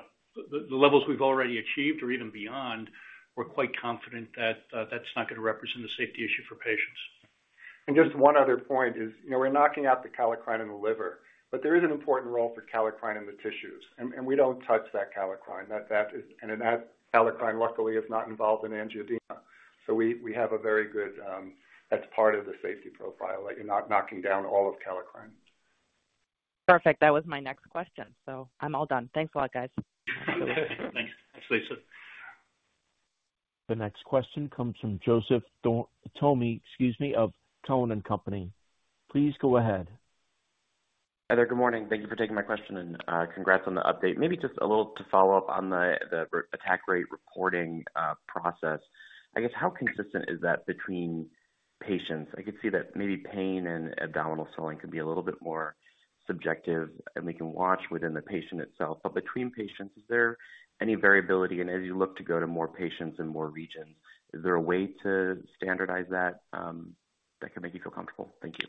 the levels we've already achieved or even beyond, we're quite confident that that's not gonna represent a safety issue for patients. Just one other point is, you know, we're knocking out the kallikrein in the liver, but there is an important role for kallikrein in the tissues. We don't touch that kallikrein. In that, kallikrein luckily is not involved in angioedema. We have a very good as part of the safety profile, like you're not knocking down all of kallikrein. Perfect. That was my next question, so I'm all done. Thanks a lot, guys. Thanks. Thanks, Liisa. The next question comes from Joseph Thome, excuse me, of TD Cowen. Please go ahead. Hi there. Good morning. Thank you for taking my question, and congrats on the update. Maybe just a little to follow up on the attack rate reporting process. I guess how consistent is that between patients? I could see that maybe pain and abdominal swelling can be a little bit more subjective, and we can watch within the patient itself. But between patients, is there any variability? And as you look to go to more patients in more regions, is there a way to standardize that can make you feel comfortable? Thank you.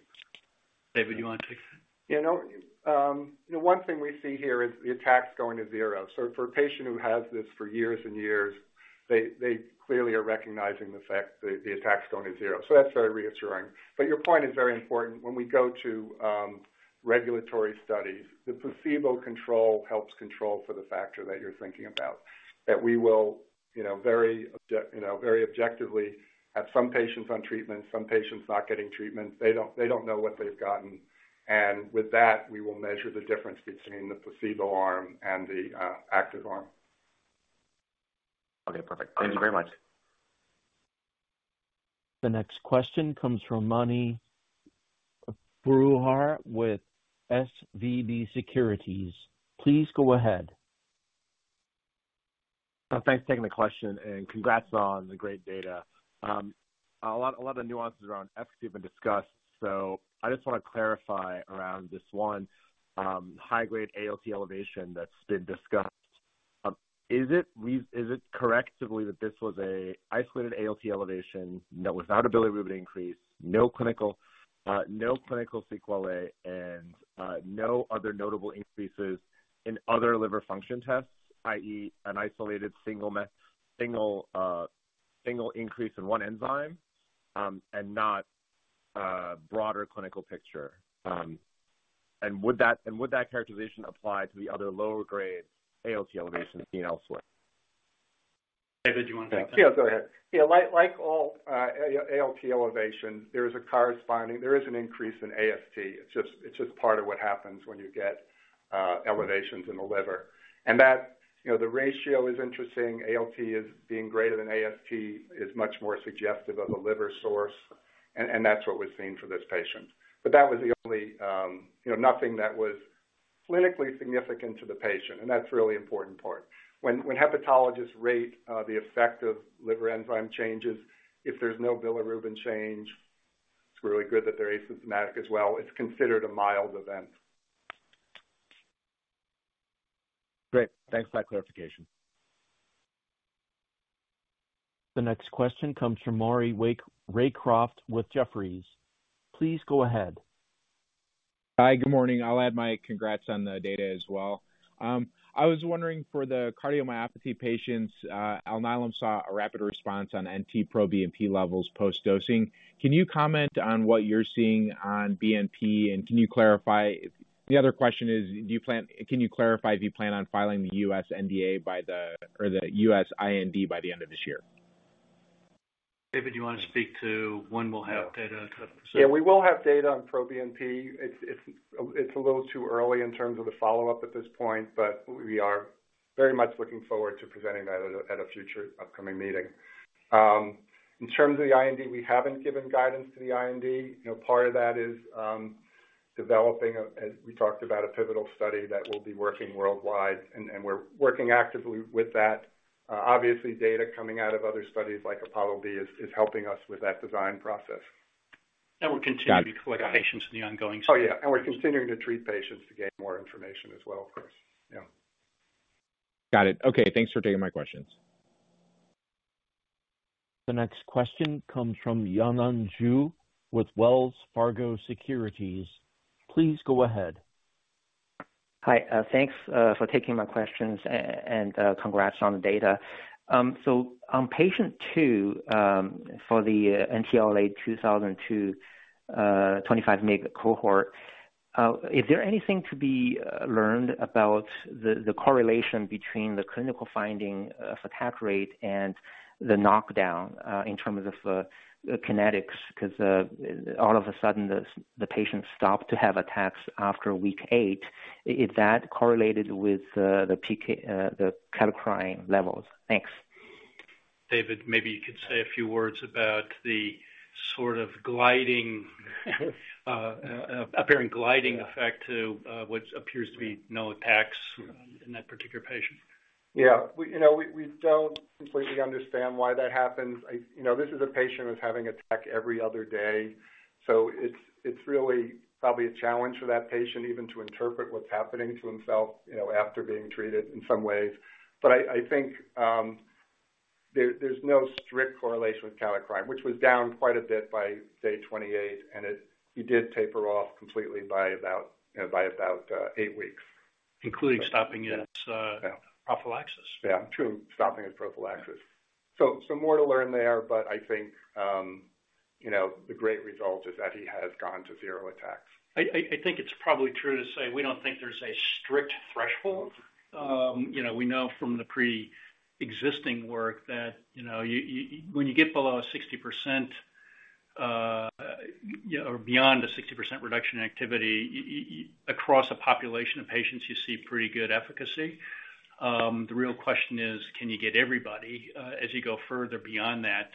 David, do you wanna take that? You know, the one thing we see here is the attacks going to zero. For a patient who has this for years and years, they clearly are recognizing the fact that the attacks going to zero. That's very reassuring. Your point is very important. When we go to regulatory studies, the placebo control helps control for the factor that you're thinking about. That we will, you know, very objectively have some patients on treatment, some patients not getting treatment. They don't know what they've gotten. With that, we will measure the difference between the placebo arm and the active arm. Okay, perfect. Thank you very much. The next question comes from Mani Foroohar with SVB Securities. Please go ahead. Thanks for taking the question, and congrats on the great data. A lot of nuances around efficacy have been discussed, so I just wanna clarify around this one high-grade ALT elevation that's been discussed. Is it correct to believe that this was an isolated ALT elevation that was not a bilirubin increase, no clinical sequelae, and no other notable increases in other liver function tests, i.e., an isolated single increase in one enzyme, and not a broader clinical picture? And would that characterization apply to the other lower grade ALT elevations seen elsewhere? David Lebwohl, do you wanna take that? Yeah, go ahead. Yeah, like all ALT elevation, there is a corresponding increase in AST. It's just part of what happens when you get elevations in the liver. That, you know, the ratio is interesting. ALT is being greater than AST is much more suggestive of a liver source, and that's what we're seeing for this patient. That was the only, you know, nothing that was clinically significant to the patient, and that's the really important part. When hepatologists rate the effect of liver enzyme changes, if there's no bilirubin change, it's really good that they're asymptomatic as well, it's considered a mild event. Great. Thanks for that clarification. The next question comes from Maury Raycroft with Jefferies. Please go ahead. Hi. Good morning. I'll add my congrats on the data as well. I was wondering for the cardiomyopathy patients, Alnylam saw a rapid response on NT-proBNP levels post-dosing. Can you comment on what you're seeing on BNP, and can you clarify if you plan on filing the US NDA by the, or the US IND by the end of this year? David, do you wanna speak to when we'll have data to? Yeah, we will have data on NT-proBNP. It's a little too early in terms of the follow-up at this point, but we are very much looking forward to presenting that at a future upcoming meeting. In terms of the IND, we haven't given guidance to the IND. Part of that is developing, as we talked about, a pivotal study that will be working worldwide and we're working actively with that. Obviously data coming out of other studies like APOLLO-B is helping us with that design process. We'll continue. Got it. Got it. To collect patients in the ongoing study. Oh, yeah, we're continuing to treat patients to get more information as well, of course. Yeah. Got it. Okay, thanks for taking my questions. The next question comes from Yanan Zhu with Wells Fargo Securities. Please go ahead. Hi, thanks, for taking my questions and congrats on the data. On patient two, for the NTLA-2002 25 mg cohort, is there anything to be learned about the correlation between the clinical finding of attack rate and the knockdown, in terms of the kinetics? 'Cause all of a sudden the patient stopped to have attacks after week 8. Is that correlated with the PK, the kallikrein levels? Thanks. David, maybe you could say a few words about the sort of apparent gliding effect to what appears to be no attacks in that particular patient. Yeah. We, you know, don't completely understand why that happens. You know, this is a patient who's having attacks every other day, so it's really probably a challenge for that patient even to interpret what's happening to himself, you know, after being treated in some ways. I think, there's no strict correlation with kallikrein, which was down quite a bit by day 28, and he did taper off completely by about, you know, 8 weeks. Including stopping his. Yeah. Prophylaxis. Yeah. True. Stopping his prophylaxis. More to learn there, but I think, you know, the great result is that he has gone to zero attacks. I think it's probably true to say we don't think there's a strict threshold. You know, we know from the pre-existing work that, you know, you when you get below 60%, or beyond a 60% reduction in activity, you across a population of patients, you see pretty good efficacy. The real question is. Can you get everybody, as you go further beyond that?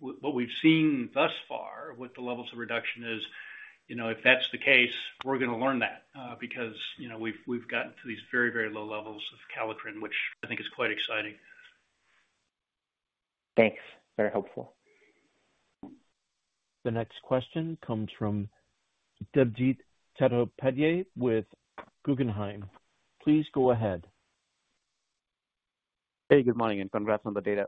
What we've seen thus far with the levels of reduction is, you know, if that's the case, we're gonna learn that, because, you know, we've gotten to these very low levels of kallikrein, which I think is quite exciting. Thanks. Very helpful. The next question comes from Debjit Chattopadhyay with Guggenheim. Please go ahead. Hey, good morning, and congrats on the data.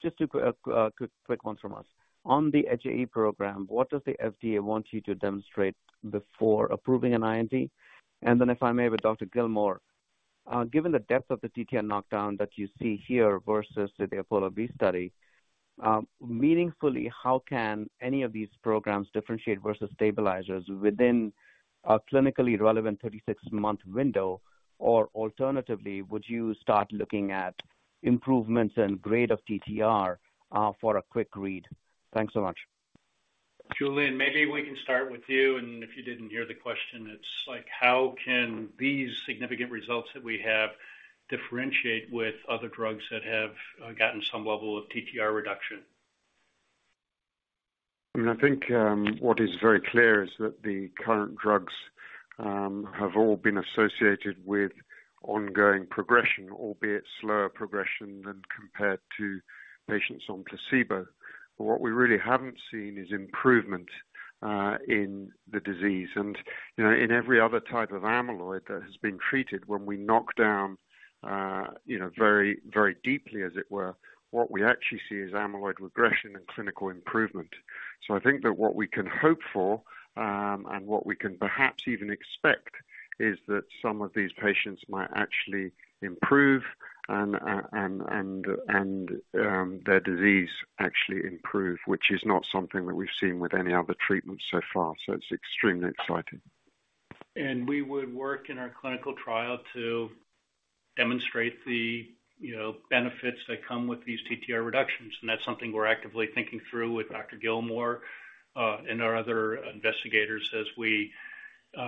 Just two quick ones from us. On the HAE program, what does the FDA want you to demonstrate before approving an IND? And then if I may, with Dr. Gillmore, given the depth of the TTR knockdown that you see here versus the APOLLO-B study, meaningfully, how can any of these programs differentiate versus stabilizers within a clinically relevant 36-month window? Or alternatively, would you start looking at improvements in grade of TTR for a quick read? Thanks so much. Julian Gillmore, maybe we can start with you. If you didn't hear the question, it's like, how can these significant results that we have differentiate with other drugs that have gotten some level of TTR reduction? I think what is very clear is that the current drugs have all been associated with ongoing progression, albeit slower progression than compared to patients on placebo. What we really haven't seen is improvement in the disease. You know, in every other type of amyloid that has been treated, when we knock down you know very very deeply, as it were, what we actually see is amyloid regression and clinical improvement. I think that what we can hope for and what we can perhaps even expect is that some of these patients might actually improve and their disease actually improve, which is not something that we've seen with any other treatment so far. It's extremely exciting. We would work in our clinical trial to demonstrate the, you know, benefits that come with these TTR reductions, and that's something we're actively thinking through with Dr. Gillmore and our other investigators as we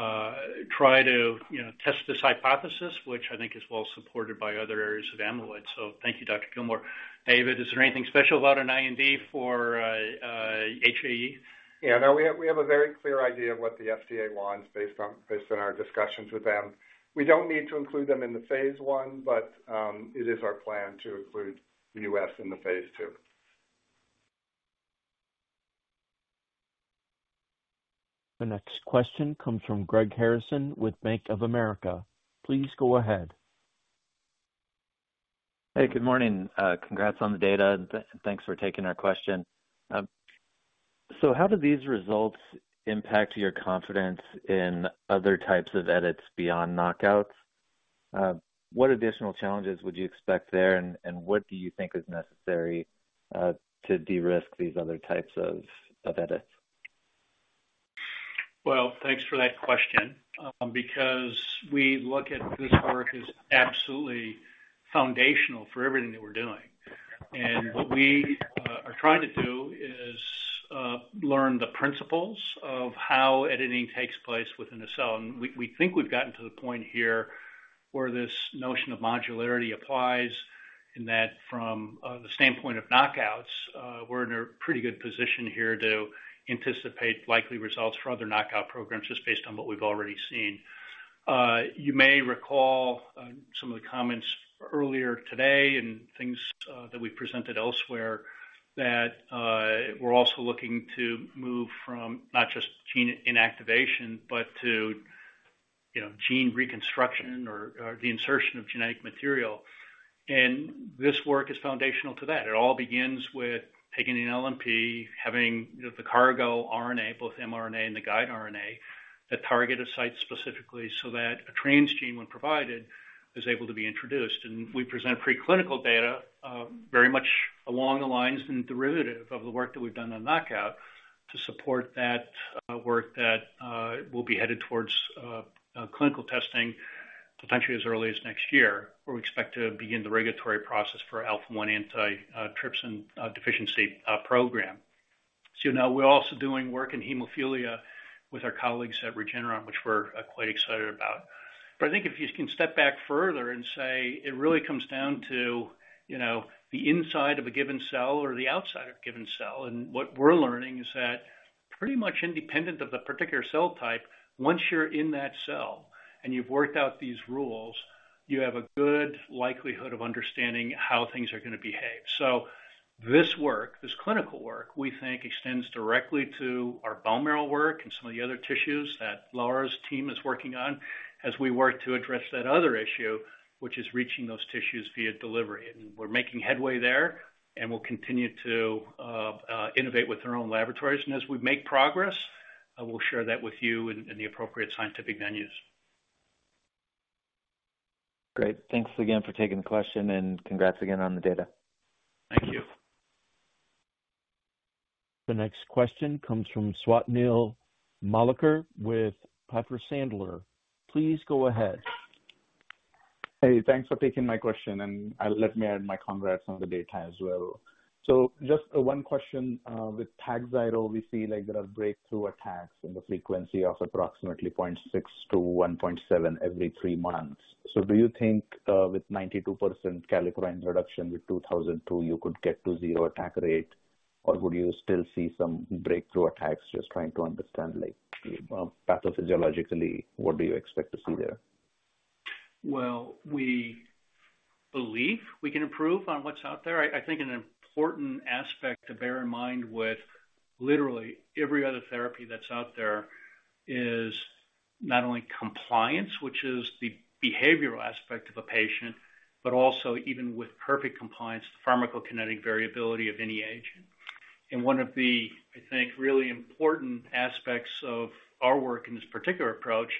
try to, you know, test this hypothesis, which I think is well supported by other areas of amyloid. Thank you, Dr. Gillmore. David, is there anything special about an IND for HAE? Yeah, no, we have a very clear idea of what the FDA wants based on our discussions with them. We don't need to include them in the phase I, but it is our plan to include the U.S. in the phase II. The next question comes from Greg Harrison with Bank of America. Please go ahead. Hey, good morning. Congrats on the data. Thanks for taking our question. How do these results impact your confidence in other types of edits beyond knockouts? What additional challenges would you expect there, and what do you think is necessary to de-risk these other types of edits? Well, thanks for that question. Because we look at this work as absolutely foundational for everything that we're doing. What we are trying to do is learn the principles of how editing takes place within a cell. We think we've gotten to the point here where this notion of modularity applies in that from the standpoint of knockouts, we're in a pretty good position here to anticipate likely results for other knockout programs just based on what we've already seen. You may recall some of the comments earlier today and things that we presented elsewhere that we're also looking to move from not just gene inactivation, but to, you know, gene reconstruction or the insertion of genetic material. This work is foundational to that. It all begins with taking an LNP, having, you know, the cargo RNA, both mRNA and the guide RNA, that target a site specifically so that a transgene, when provided, is able to be introduced. We present preclinical data, very much along the lines and derivative of the work that we've done on knockout to support that work that will be headed towards clinical testing potentially as early as next year, where we expect to begin the regulatory process for alpha-1 antitrypsin deficiency program. You know, we're also doing work in hemophilia with our colleagues at Regeneron, which we're quite excited about. I think if you can step back further and say it really comes down to, you know, the inside of a given cell or the outside of a given cell, and what we're learning is that pretty much independent of the particular cell type, once you're in that cell and you've worked out these rules, you have a good likelihood of understanding how things are gonna behave. This work, this clinical work, we think extends directly to our bone marrow work and some of the other tissues that Laura's team is working on as we work to address that other issue, which is reaching those tissues via delivery. We're making headway there, and we'll continue to innovate with our own laboratories. As we make progress, we'll share that with you in the appropriate scientific venues. Great. Thanks again for taking the question, and congrats again on the data. Thank you. The next question comes from Swapnil Malekar with Piper Sandler. Please go ahead. Hey, thanks for taking my question, and let me add my congrats on the data as well. Just one question, with TAKHZYRO, we see like there are breakthrough attacks in the frequency of approximately 0.6 attack rate-1.7 attack rate every three months. Do you think, with 92% kallikrein reduction with NTLA-2002, you could get to zero attack rate, or would you still see some breakthrough attacks? Just trying to understand, like, pathophysiologically, what do you expect to see there? Well, we believe we can improve on what's out there. I think an important aspect to bear in mind with literally every other therapy that's out there is not only compliance, which is the behavioral aspect of a patient, but also even with perfect compliance, the pharmacokinetic variability of any agent. One of the, I think, really important aspects of our work in this particular approach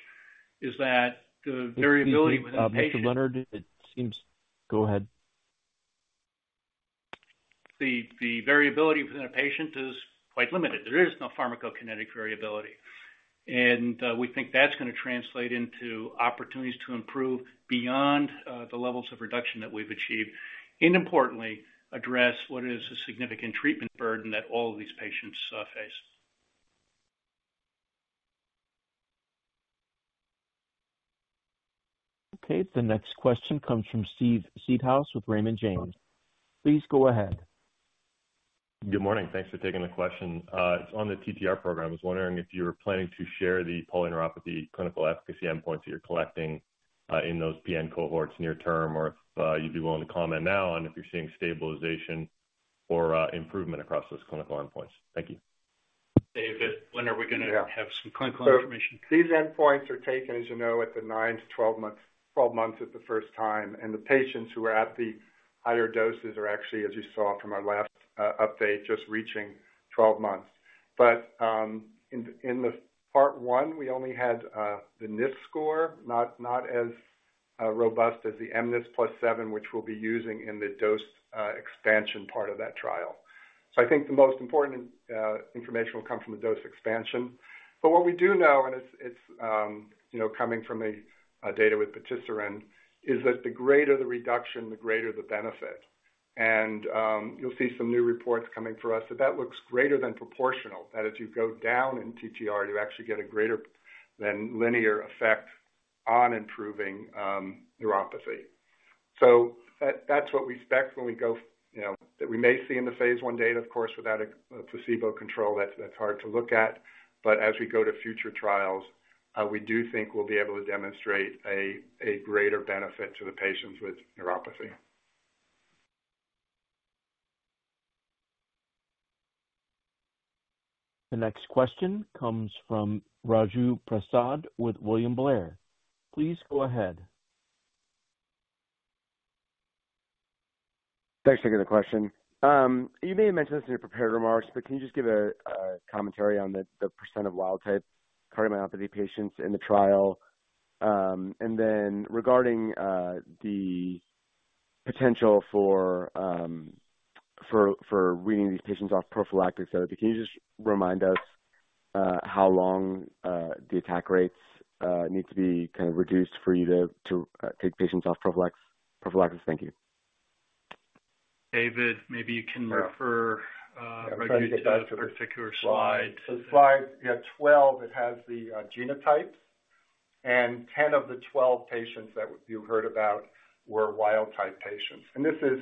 is that the variability within a patient. Excuse me, Dr. Leonard. Go ahead. The variability within a patient is quite limited. There is no pharmacokinetic variability, and we think that's gonna translate into opportunities to improve beyond the levels of reduction that we've achieved, and importantly, address what is a significant treatment burden that all of these patients face. Okay. The next question comes from Steve Seedhouse with Raymond James. Please go ahead. Good morning. Thanks for taking the question. It's on the TTR program. I was wondering if you were planning to share the polyneuropathy clinical efficacy endpoints that you're collecting in those PN cohorts near term, or if you'd be willing to comment now on if you're seeing stabilization or improvement across those clinical endpoints. Thank you. David, when are we gonna have some clinical information? These endpoints are taken, as you know, at the nine months to 12 months. 12 months is the first time. The patients who are at the higher doses are actually, as you saw from our last update, just reaching 12 months. In part one, we only had the NIS score, not as robust as the mNIS+7, which we'll be using in the dose expansion part of that trial. I think the most important information will come from the dose expansion. What we do know, and it's you know, coming from data with patisiran, is that the greater the reduction, the greater the benefit. You'll see some new reports coming from us that looks greater than proportional. That as you go down in TTR, you actually get a greater than linear effect on improving, neuropathy. That's what we expect when we go, you know, that we may see in the phase I data. Of course, without a placebo control that's hard to look at. As we go to future trials, we do think we'll be able to demonstrate a greater benefit to the patients with neuropathy. The next question comes from Raju Prasad with William Blair. Please go ahead. Thanks for taking the question. You may have mentioned this in your prepared remarks, but can you just give a commentary on the percent of wild-type cardiomyopathy patients in the trial? Regarding the potential for weaning these patients off prophylactic therapy, can you just remind us how long the attack rates need to be kind of reduced for you to take patients off prophylaxis? Thank you. David, maybe you can refer, Raju to a particular slide. Slide 12, it has the genotypes. 10 patients of the 12 patients that you heard about were wild-type patients. This is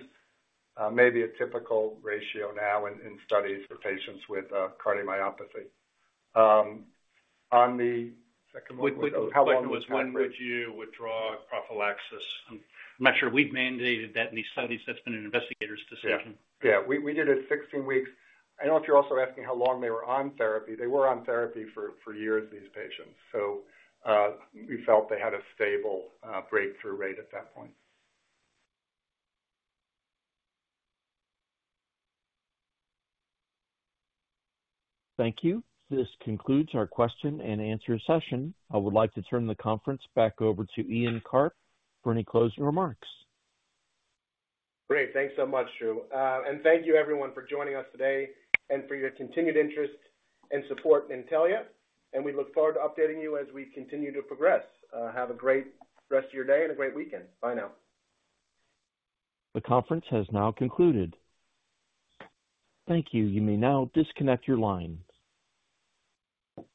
maybe a typical ratio now in studies for patients with cardiomyopathy. On the second one. Quick. When would you withdraw prophylaxis? I'm not sure we've mandated that in these studies. That's been an investigator's decision. Yeah. We did it 16 weeks. I don't know if you're also asking how long they were on therapy. They were on therapy for years, these patients. We felt they had a stable breakthrough rate at that point. Thank you. This concludes our question and answer session. I would like to turn the conference back over to Ian Karp for any closing remarks. Great. Thanks so much, Drew. Thank you everyone for joining us today and for your continued interest and support in Intellia, and we look forward to updating you as we continue to progress. Have a great rest of your day and a great weekend. Bye now. The conference has now concluded. Thank you. You may now disconnect your line.